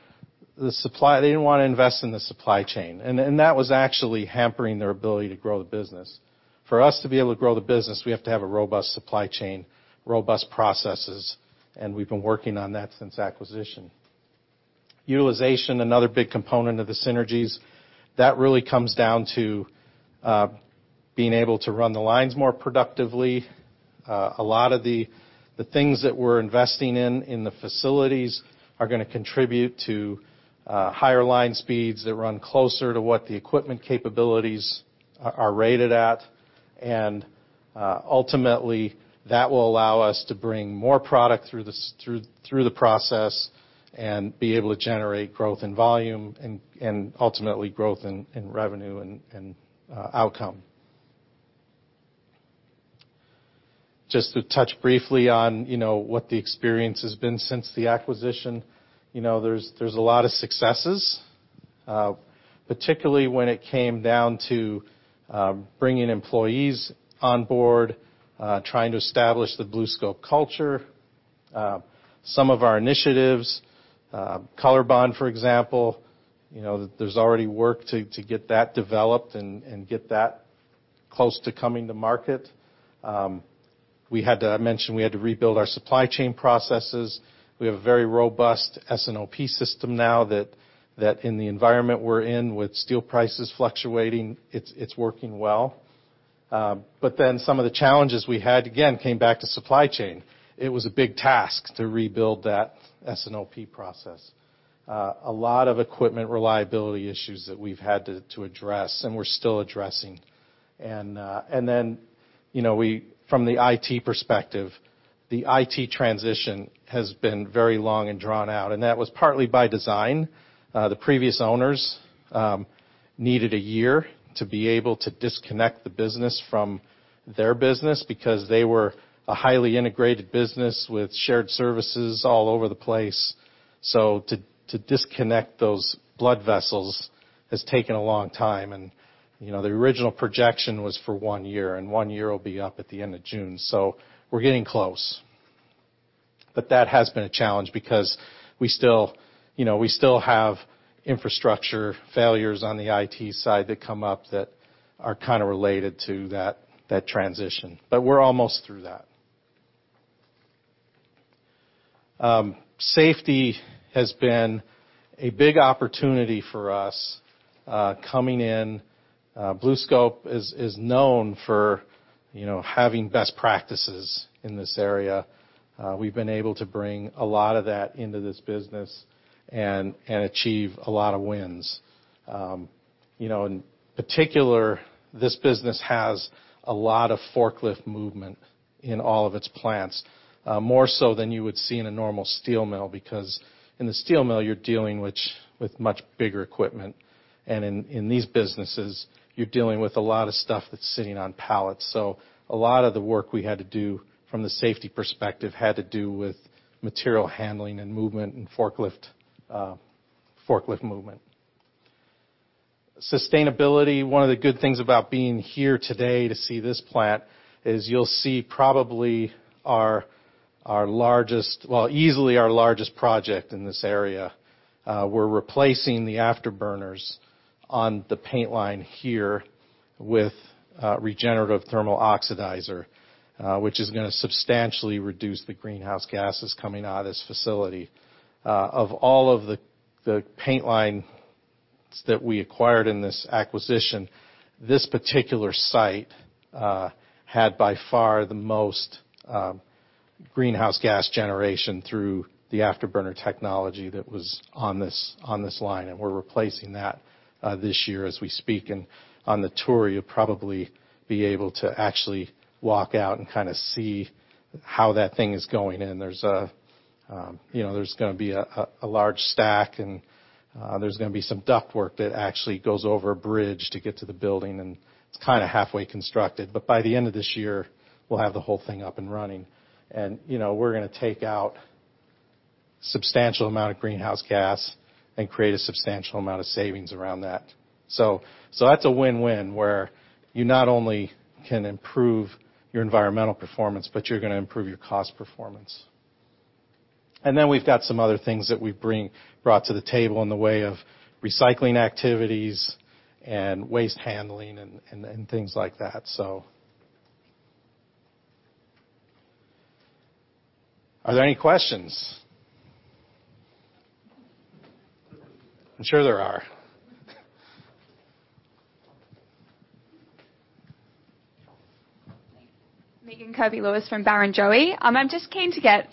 they didn't wanna invest in the supply chain, and that was actually hampering their ability to grow the business. For us to be able to grow the business, we have to have a robust supply chain, robust processes, and we've been working on that since acquisition. Utilization, another big component of the synergies, that really comes down to being able to run the lines more productively. A lot of the things that we're investing in in the facilities are gonna contribute to higher line speeds that run closer to what the equipment capabilities are rated at. Ultimately, that will allow us to bring more product through the process and be able to generate growth and volume and ultimately growth in revenue and outcome. Just to touch briefly on, you know, what the experience has been since the acquisition. You know, there's a lot of successes, particularly when it came down to bringing employees on board, trying to establish the BlueScope culture. Some of our initiatives, COLORBOND, for example, you know, there's already work to get that developed and get that close to coming to market. I mentioned we had to rebuild our supply chain processes. We have a very robust S&OP system now that in the environment we're in with steel prices fluctuating, it's working well. Some of the challenges we had, again, came back to supply chain. It was a big task to rebuild that S&OP process. A lot of equipment reliability issues that we've had to address and we're still addressing. You know, from the IT perspective, the IT transition has been very long and drawn out, and that was partly by design. The previous owners needed a year to be able to disconnect the business from their business because they were a highly integrated business with shared services all over the place. To disconnect those blood vessels has taken a long time. You know, the original projection was for one year, and one year will be up at the end of June. We're getting close. That has been a challenge because we still, you know, we still have infrastructure failures on the IT side that come up that are kinda related to that transition, but we're almost through that. Safety has been a big opportunity for us coming in. BlueScope is known for, you know, having best practices in this area. We've been able to bring a lot of that into this business and achieve a lot of wins. You know, in particular, this business has a lot of forklift movement in all of its plants, more so than you would see in a normal steel mill because in the steel mill, you're dealing with much bigger equipment. In these businesses, you're dealing with a lot of stuff that's sitting on pallets. A lot of the work we had to do from the safety perspective had to do with material handling and movement and forklift movement. Sustainability. One of the good things about being here today to see this plant is you'll see probably our largest, well, easily our largest project in this area, we're replacing the afterburners on the paint line here with a regenerative thermal oxidizer, which is gonna substantially reduce the greenhouse gases coming out of this facility. Of all of the paint lines that we acquired in this acquisition, this particular site, had by far the most greenhouse gas generation through the afterburner technology that was on this line, and we're replacing that, this year as we speak. On the tour, you'll probably be able to actually walk out and kinda see how that thing is going. There's a, you know, there's gonna be a large stack and, there's gonna be some ductwork that actually goes over a bridge to get to the building, and it's kinda halfway constructed. By the end of this year, we'll have the whole thing up and running. You know, we're gonna take out substantial amount of greenhouse gas and create a substantial amount of savings around that. That's a win-win, where you not only can improve your environmental performance, but you're gonna improve your cost performance. Then we've got some other things that we brought to the table in the way of recycling activities and waste handling and things like that, so. Are there any questions? I'm sure there are. Megan Kirby-Lewis from Barrenjoey. I'm just keen to get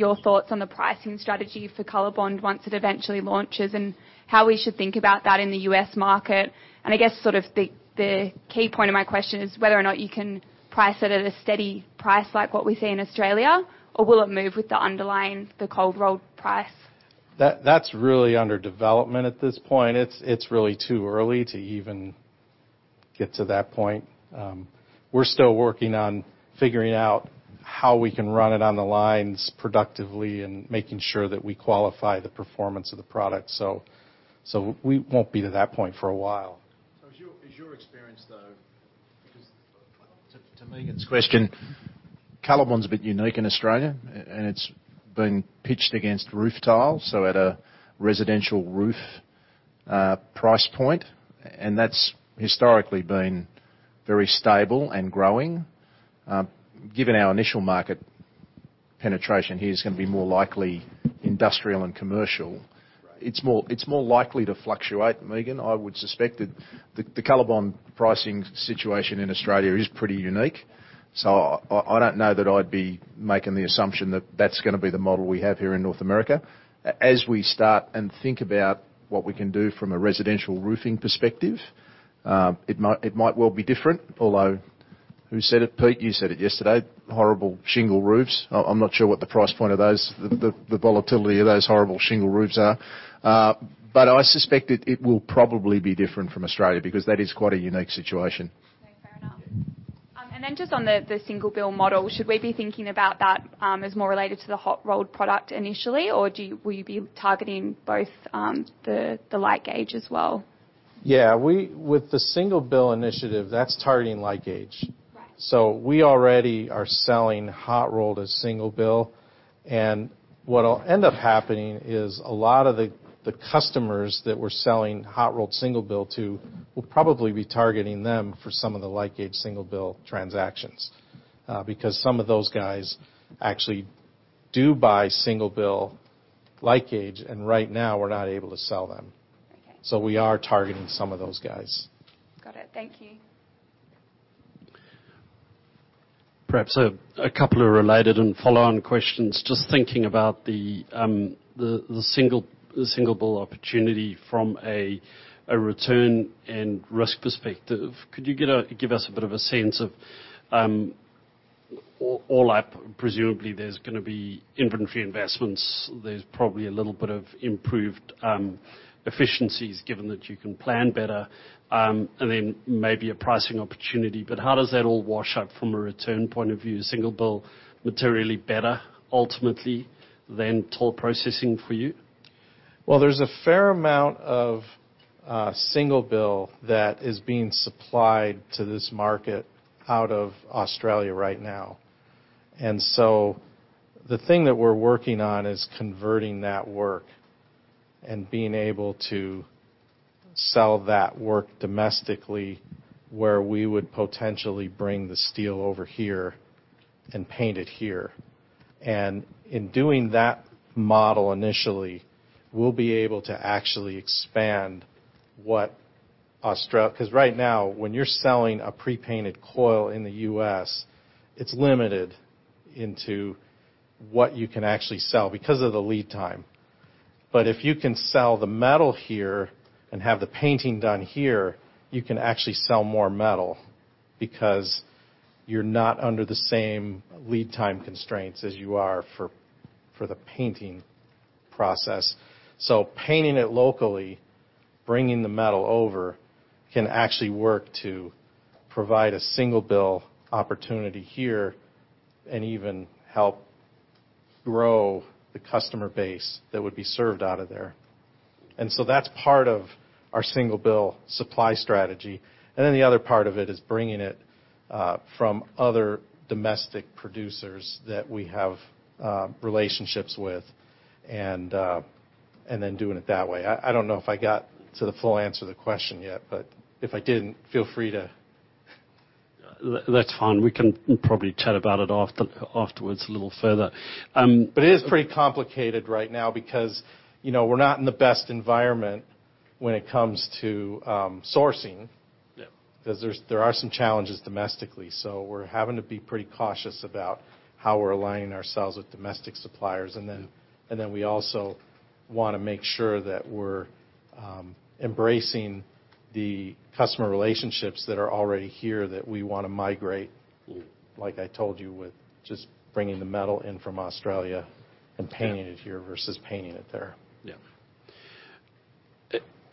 your thoughts on the pricing strategy for COLORBOND once it eventually launches and how we should think about that in the U.S. market. I guess sort of the key point of my question is whether or not you can price it at a steady price like what we see in Australia, or will it move with the underlying cold rolled price? That's really under development at this point. It's really too early to even get to that point. We're still working on figuring out how we can run it on the lines productively and making sure that we qualify the performance of the product. We won't be to that point for a while. Is your, is your experience, though, because to Megan's question, COLORBOND's a bit unique in Australia and it's been pitched against roof tiles, so at a residential roof, price point, and that's historically been very stable and growing? Given our initial market penetration here is gonna be more likely industrial and commercial- Right... it's more likely to fluctuate, Megan. I would suspect that the COLORBOND pricing situation in Australia is pretty unique, so I don't know that I'd be making the assumption that that's gonna be the model we have here in North America. As we start and think about what we can do from a residential roofing perspective, it might well be different, although who said it, Pete? You said it yesterday, horrible shingle roofs. I'm not sure what the price point of those, the volatility of those horrible shingle roofs are. I suspect it will probably be different from Australia because that is quite a unique situation. Okay, fair enough. Yeah. Just on the single bill model, should we be thinking about that as more related to the hot-rolled product initially, or will you be targeting both, the light-gauge as well? Yeah. With the single bill initiative, that's targeting light-gauge. Right. We already are selling hot-rolled as single bill, and what'll end up happening is a lot of the customers that we're selling hot-rolled single bill to, we'll probably be targeting them for some of the light-gauge single bill transactions. Because some of those guys actually do buy single bill light-gauge, and right now we're not able to sell them. Okay. We are targeting some of those guys. Got it. Thank you. Perhaps a couple of related and follow-on questions. Just thinking about the single bill opportunity from a return and risk perspective, could you give us a bit of a sense of all up, presumably there's gonna be inventory investments, there's probably a little bit of improved efficiencies given that you can plan better and then maybe a pricing opportunity? How does that all wash up from a return point of view? Is single bill materially better ultimately than toll processing for you? Well, there's a fair amount of single bill that is being supplied to this market out of Australia right now. The thing that we're working on is converting that work and being able to sell that work domestically where we would potentially bring the steel over here and paint it here. In doing that model initially, we'll be able to actually expand what. Because right now, when you're selling a pre-painted coil in the US, it's limited into what you can actually sell because of the lead time. If you can sell the metal here and have the painting done here, you can actually sell more metal because you're not under the same lead time constraints as you are for the painting process. Painting it locally, bringing the metal over, can actually work to provide a single bill opportunity here and even help grow the customer base that would be served out of there. That's part of our single bill supply strategy. The other part of it is bringing it from other domestic producers that we have relationships with and then doing it that way. I don't know if I got to the full answer to the question yet, but if I didn't, feel free to... That's fine. We can probably chat about it afterwards a little further. It is pretty complicated right now because, you know, we're not in the best environment when it comes to, sourcing. Yeah. 'Cause there are some challenges domestically, so we're having to be pretty cautious about how we're aligning ourselves with domestic suppliers. And then, and then we also wanna make sure that we're embracing the customer relationships that are already here that we wanna migrate- like I told you, with just bringing the metal in from Australia and painting it here versus painting it there.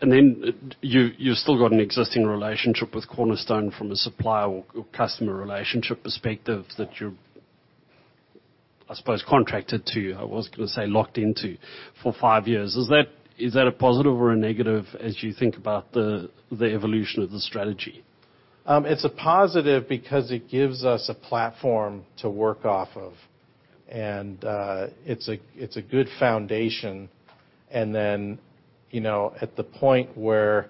Yeah. Then you've still got an existing relationship with Cornerstone from a supplier or customer relationship perspective that you're, I suppose, contracted to, I was gonna say, locked into for five years. Is that a positive or a negative as you think about the evolution of the strategy? It's a positive because it gives us a platform to work off of. It's a, it's a good foundation. You know, at the point where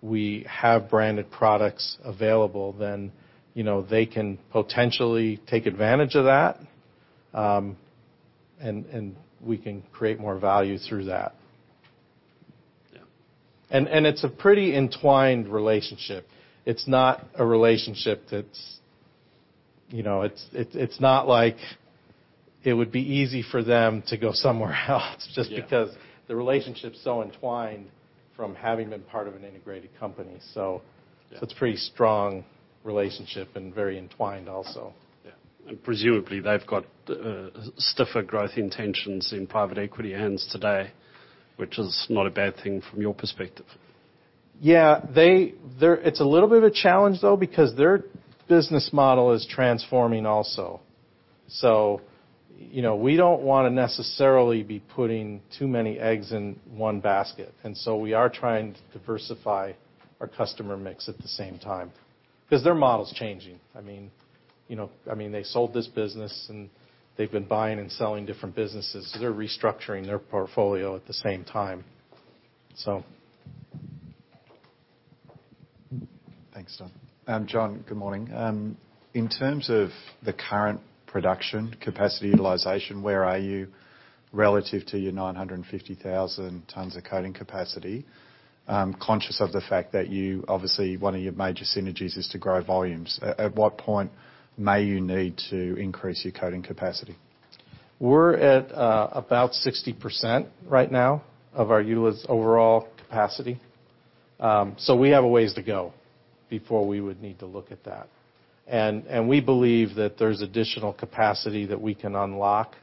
we have branded products available, then, you know, they can potentially take advantage of that, and we can create more value through that. Yeah. It's a pretty entwined relationship. It's not a relationship that's, you know. It's not like it would be easy for them to go somewhere else just because. Yeah. The relationship is so entwined from having been part of an integrated company. Yeah. It's pretty strong relationship and very entwined also. Yeah. Presumably, they've got stiffer growth intentions in private equity hands today, which is not a bad thing from your perspective. Yeah. It's a little bit of a challenge, though, because their business model is transforming also. You know, we don't wanna necessarily be putting too many eggs in one basket. We are trying to diversify our customer mix at the same time. 'Cause their model is changing. I mean, they sold this business, and they've been buying and selling different businesses. They're restructuring their portfolio at the same time. Thanks, Don. John, good morning. In terms of the current production capacity utilization, where are you relative to your 950,000 tons of coating capacity? I'm conscious of the fact that obviously, one of your major synergies is to grow volumes. At what point may you need to increase your coating capacity? We're at about 60% right now of our overall capacity. We have a ways to go before we would need to look at that. We believe that there's additional capacity that we can unlock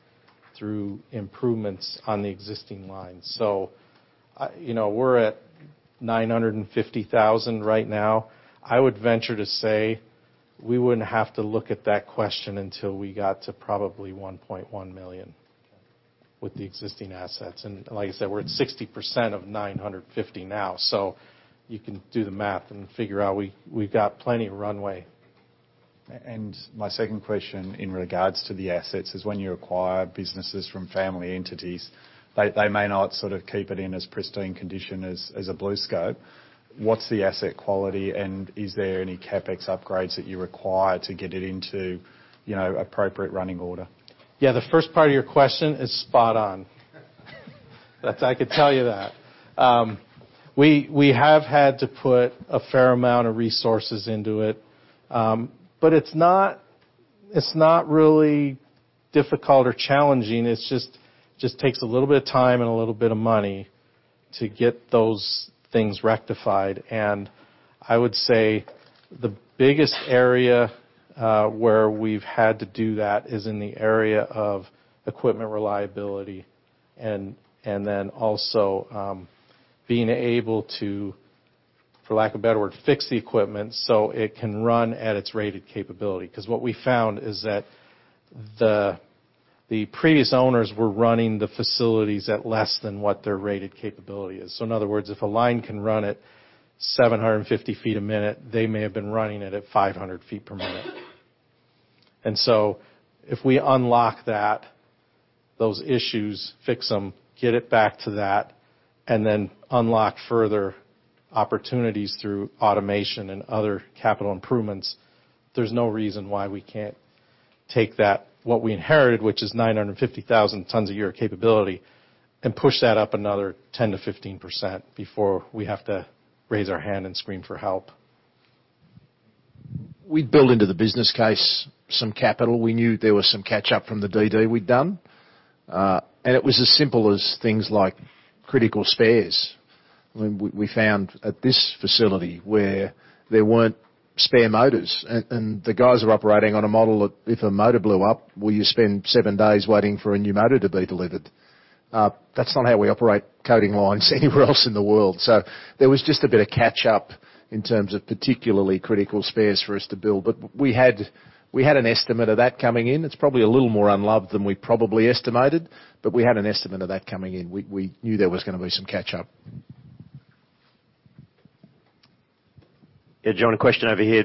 through improvements on the existing line. You know, we're at 950,000 right now. I would venture to say we wouldn't have to look at that question until we got to probably 1.1 million with the existing assets. Like I said, we're at 60% of 950,000 now, so you can do the math and figure out we've got plenty of runway. My second question in regards to the assets is when you acquire businesses from family entities, they may not sort of keep it in as pristine condition as a BlueScope. What's the asset quality, and is there any CapEx upgrades that you require to get it into, you know, appropriate running order? Yeah. The first part of your question is spot on. That's I could tell you that. We have had to put a fair amount of resources into it, but it's not, it's not really difficult or challenging. It's just takes a little bit of time and a little bit of money to get those things rectified. I would say the biggest area where we've had to do that is in the area of equipment reliability, and then also, being able to, for lack of a better word, fix the equipment so it can run at its rated capability. 'Cause what we found is that the previous owners were running the facilities at less than what their rated capability is. In other words, if a line can run at 750 feet a minute, they may have been running it at 500 feet per minute. If we unlock that, those issues, fix them, get it back to that, and then unlock further opportunities through automation and other capital improvements, there's no reason why we can't take that, what we inherited, which is 950,000 tons a year capability, and push that up another 10 to 15% before we have to raise our hand and scream for help. We build into the business case some capital. We knew there was some catch up from the DD we'd done. It was as simple as things like critical spares. We found at this facility where there weren't spare motors, and the guys are operating on a model of if a motor blew up, will you spend seven days waiting for a new motor to be delivered. That's not how we operate coating lines anywhere else in the world. There was just a bit of catch up in terms of particularly critical spares for us to build. We had an estimate of that coming in. It's probably a little more unloved than we probably estimated, but we had an estimate of that coming in. We knew there was gonna be some catch up. Yeah, John, a question over here.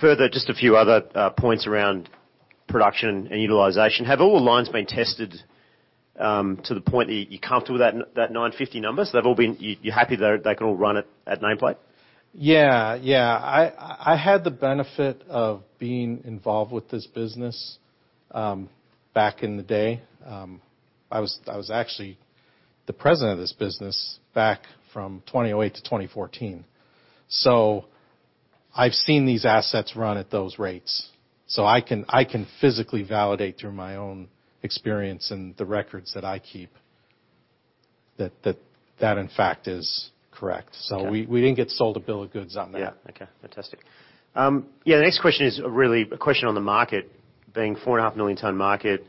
Further, just a few other, points around production and utilization. Have all lines been tested to the point that you're comfortable with that 950 numbers? They've all been... You happy they're, they can all run at nameplate? Yeah. Yeah. I had the benefit of being involved with this business back in the day. I was actually the president of this business back from 2008 to 2014. I've seen these assets run at those rates, so I can physically validate through my own experience and the records that I keep that in fact is correct. Okay. We didn't get sold a bill of goods on that. Yeah. Okay, fantastic. The next question is really a question on the market. Being 4.5 million ton market,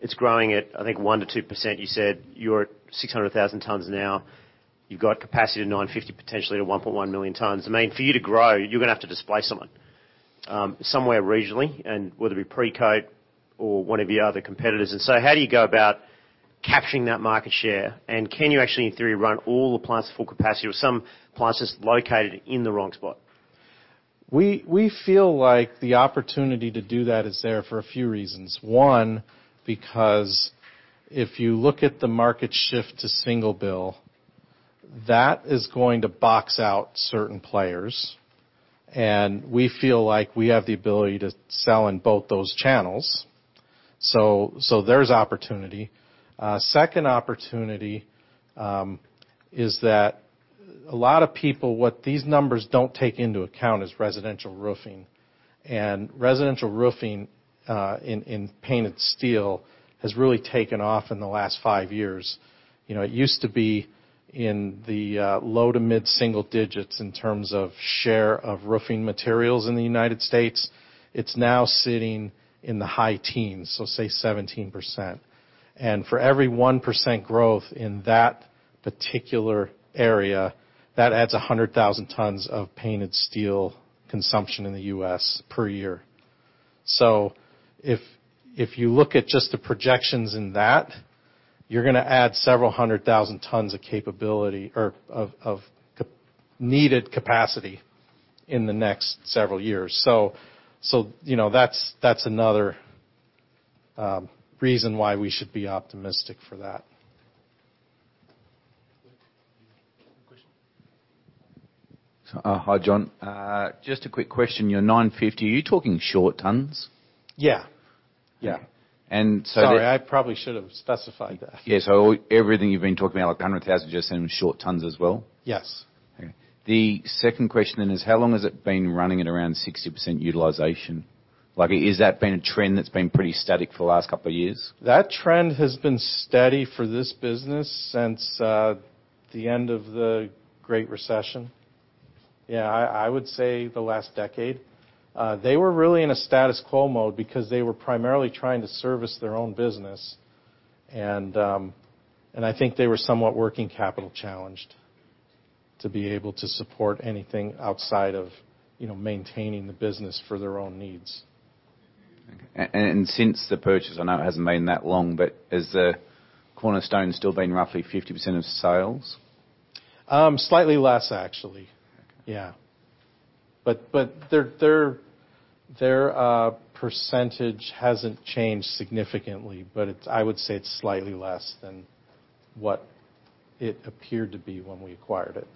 it's growing at, I think 1 to 2%, you said. You're at 600,000 tons now. You've got capacity to 950, potentially to 1.1 million tons. I mean, for you to grow, you're gonna have to displace someone, somewhere regionally and whether it be Precoat or one of your other competitors. How do you go about capturing that market share? Can you actually, in theory, run all the plants at full capacity or some plants just located in the wrong spot? We feel like the opportunity to do that is there for a few reasons. One, because if you look at the market shift to single bill, that is going to box out certain players. We feel like we have the ability to sell in both those channels. There's opportunity. Second opportunity is that what these numbers don't take into account is residential roofing. Residential roofing in painted steel has really taken off in the last five years. You know, it used to be in the low to mid-single digits in terms of share of roofing materials in the United States. It's now sitting in the high teens, so say 17%. For every 1% growth in that particular area, that adds 100,000 tons of painted steel consumption in the U.S. per year. If you look at just the projections in that, you're gonna add several hundred thousand tons of capability or of needed capacity in the next several years. You know, that's another reason why we should be optimistic for that. Good. Any question? Hi, John. Just a quick question. Your 950, are you talking short tons? Yeah. Yeah. Okay. Sorry, I probably should have specified that. Yeah. everything you've been talking about, like the 100,000, just in short tons as well? Yes. Okay. The second question is, how long has it been running at around 60% utilization? Is that been a trend that's been pretty static for the last couple of years? That trend has been steady for this business since, the end of the Great Recession. I would say the last decade. They were really in a status quo mode because they were primarily trying to service their own business, and I think they were somewhat working capital challenged to be able to support anything outside of, you know, maintaining the business for their own needs. Okay. Since the purchase, I know it hasn't been that long, but has the Cornerstone still been roughly 50% of sales? Slightly less actually. Okay. Yeah. Their percentage hasn't changed significantly, but I would say it's slightly less than what it appeared to be when we acquired it.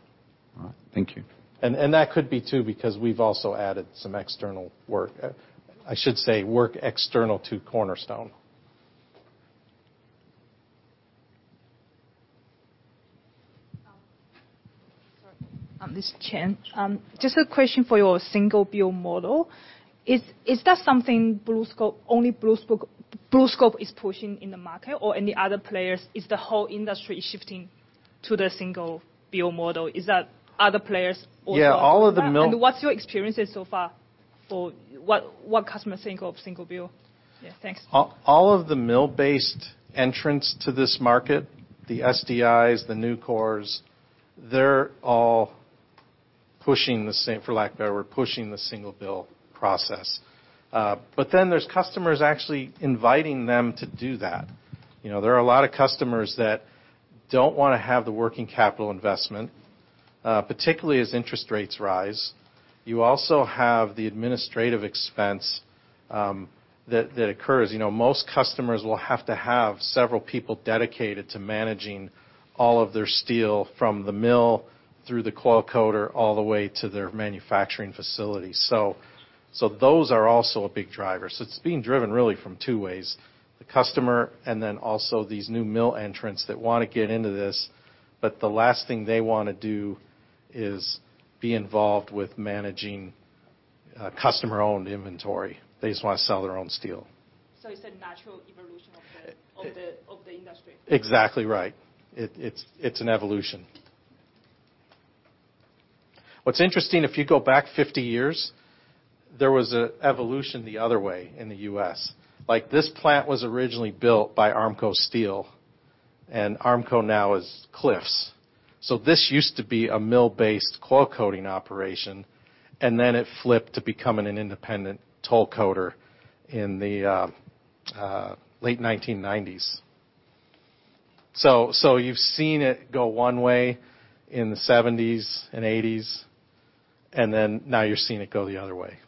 All right. Thank you. That could be too, because we've also added some external work. I should say work external to Cornerstone. Sorry. This is Chen. Just a question for your single bill model. Is that something BlueScope only BlueScope is pushing in the market or any other players? Is the whole industry shifting to the single bill model? Is that other players also- Yeah. What's your experiences so far for what customers think of single bill? Yeah, thanks. All of the mill-based entrants to this market, the SDIs, the Nucors, they're all pushing the single bill process. Then there's customers actually inviting them to do that. You know, there are a lot of customers that don't wanna have the working capital investment, particularly as interest rates rise. You also have the administrative expense that occurs. You know, most customers will have to have several people dedicated to managing all of their steel from the mill through the coil coater all the way to their manufacturing facility. Those are also a big driver. It's being driven really from two ways, the customer and then also these new mill entrants that wanna get into this. The last thing they wanna do is be involved with managing customer-owned inventory. They just wanna sell their own steel. it's a natural evolution of the- It. Of the industry. Exactly right. It's an evolution. What's interesting, if you go back 50 years, there was a evolution the other way in the U.S. This plant was originally built by Armco Steel, and Armco now is Cleveland-Cliffs. This used to be a mill-based coil coating operation, and then it flipped to becoming an independent toll coater in the late 1990s. You've seen it go one way in the 1970s and 1980s, and then now you're seeing it go the other way.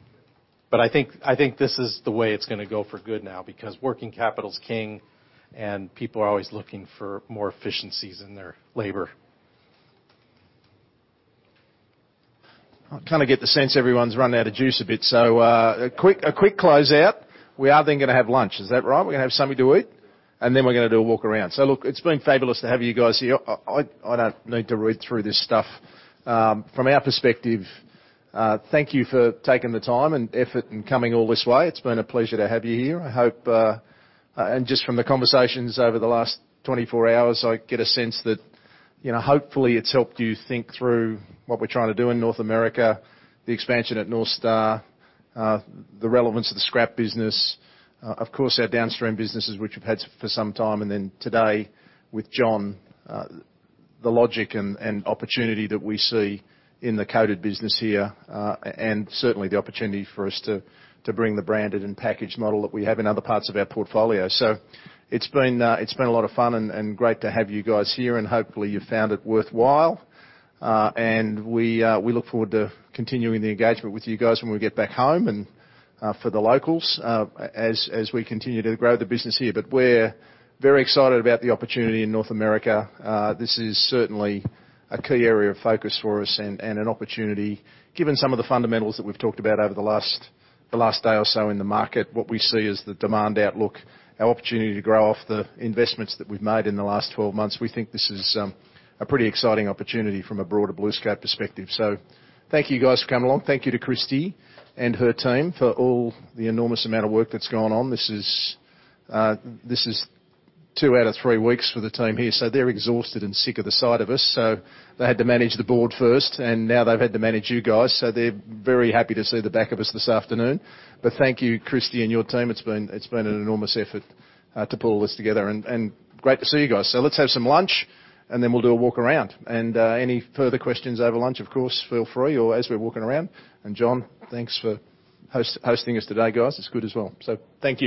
I think this is the way it's gonna go for good now, because working capital's king, and people are always looking for more efficiencies in their labor. I kinda get the sense everyone's run out of juice a bit, so, a quick closeout. We are then gonna have lunch. Is that right? We're gonna have something to eat, and then we're gonna do a walk around. Look, it's been fabulous to have you guys here. I don't need to read through this stuff. From our perspective, thank you for taking the time and effort in coming all this way. It's been a pleasure to have you here. I hope, and just from the conversations over the last 24 hours, I get a sense that, you know, hopefully it's helped you think through what we're trying to do in North America, the expansion at North Star, the relevance of the scrap business, of course our downstream businesses which we've had for some time, and then today with John, the logic and opportunity that we see in the coated business here, and certainly the opportunity for us to bring the branded and packaged model that we have in other parts of our portfolio. It's been a lot of fun and great to have you guys here, and hopefully you found it worthwhile. We, we look forward to continuing the engagement with you guys when we get back home, and for the locals, as we continue to grow the business here. We're very excited about the opportunity in North America. This is certainly a key area of focus for us and an opportunity given some of the fundamentals that we've talked about over the last day or so in the market, what we see as the demand outlook, our opportunity to grow off the investments that we've made in the last 12 months. We think this is, a pretty exciting opportunity from a broader BlueScope perspective. Thank you guys for coming along. Thank you to Christie and her team for all the enormous amount of work that's gone on. This is, this is two out of three weeks for the team here, so they're exhausted and sick of the sight of us. They had to manage the board first, and now they've had to manage you guys, so they're very happy to see the back of us this afternoon. Thank you, Christie and your team. It's been an enormous effort to pull all this together and great to see you guys. Let's have some lunch, and then we'll do a walk around. Any further questions over lunch, of course, feel free, or as we're walking around. John, thanks for hosting us today, guys. It's good as well. Thank you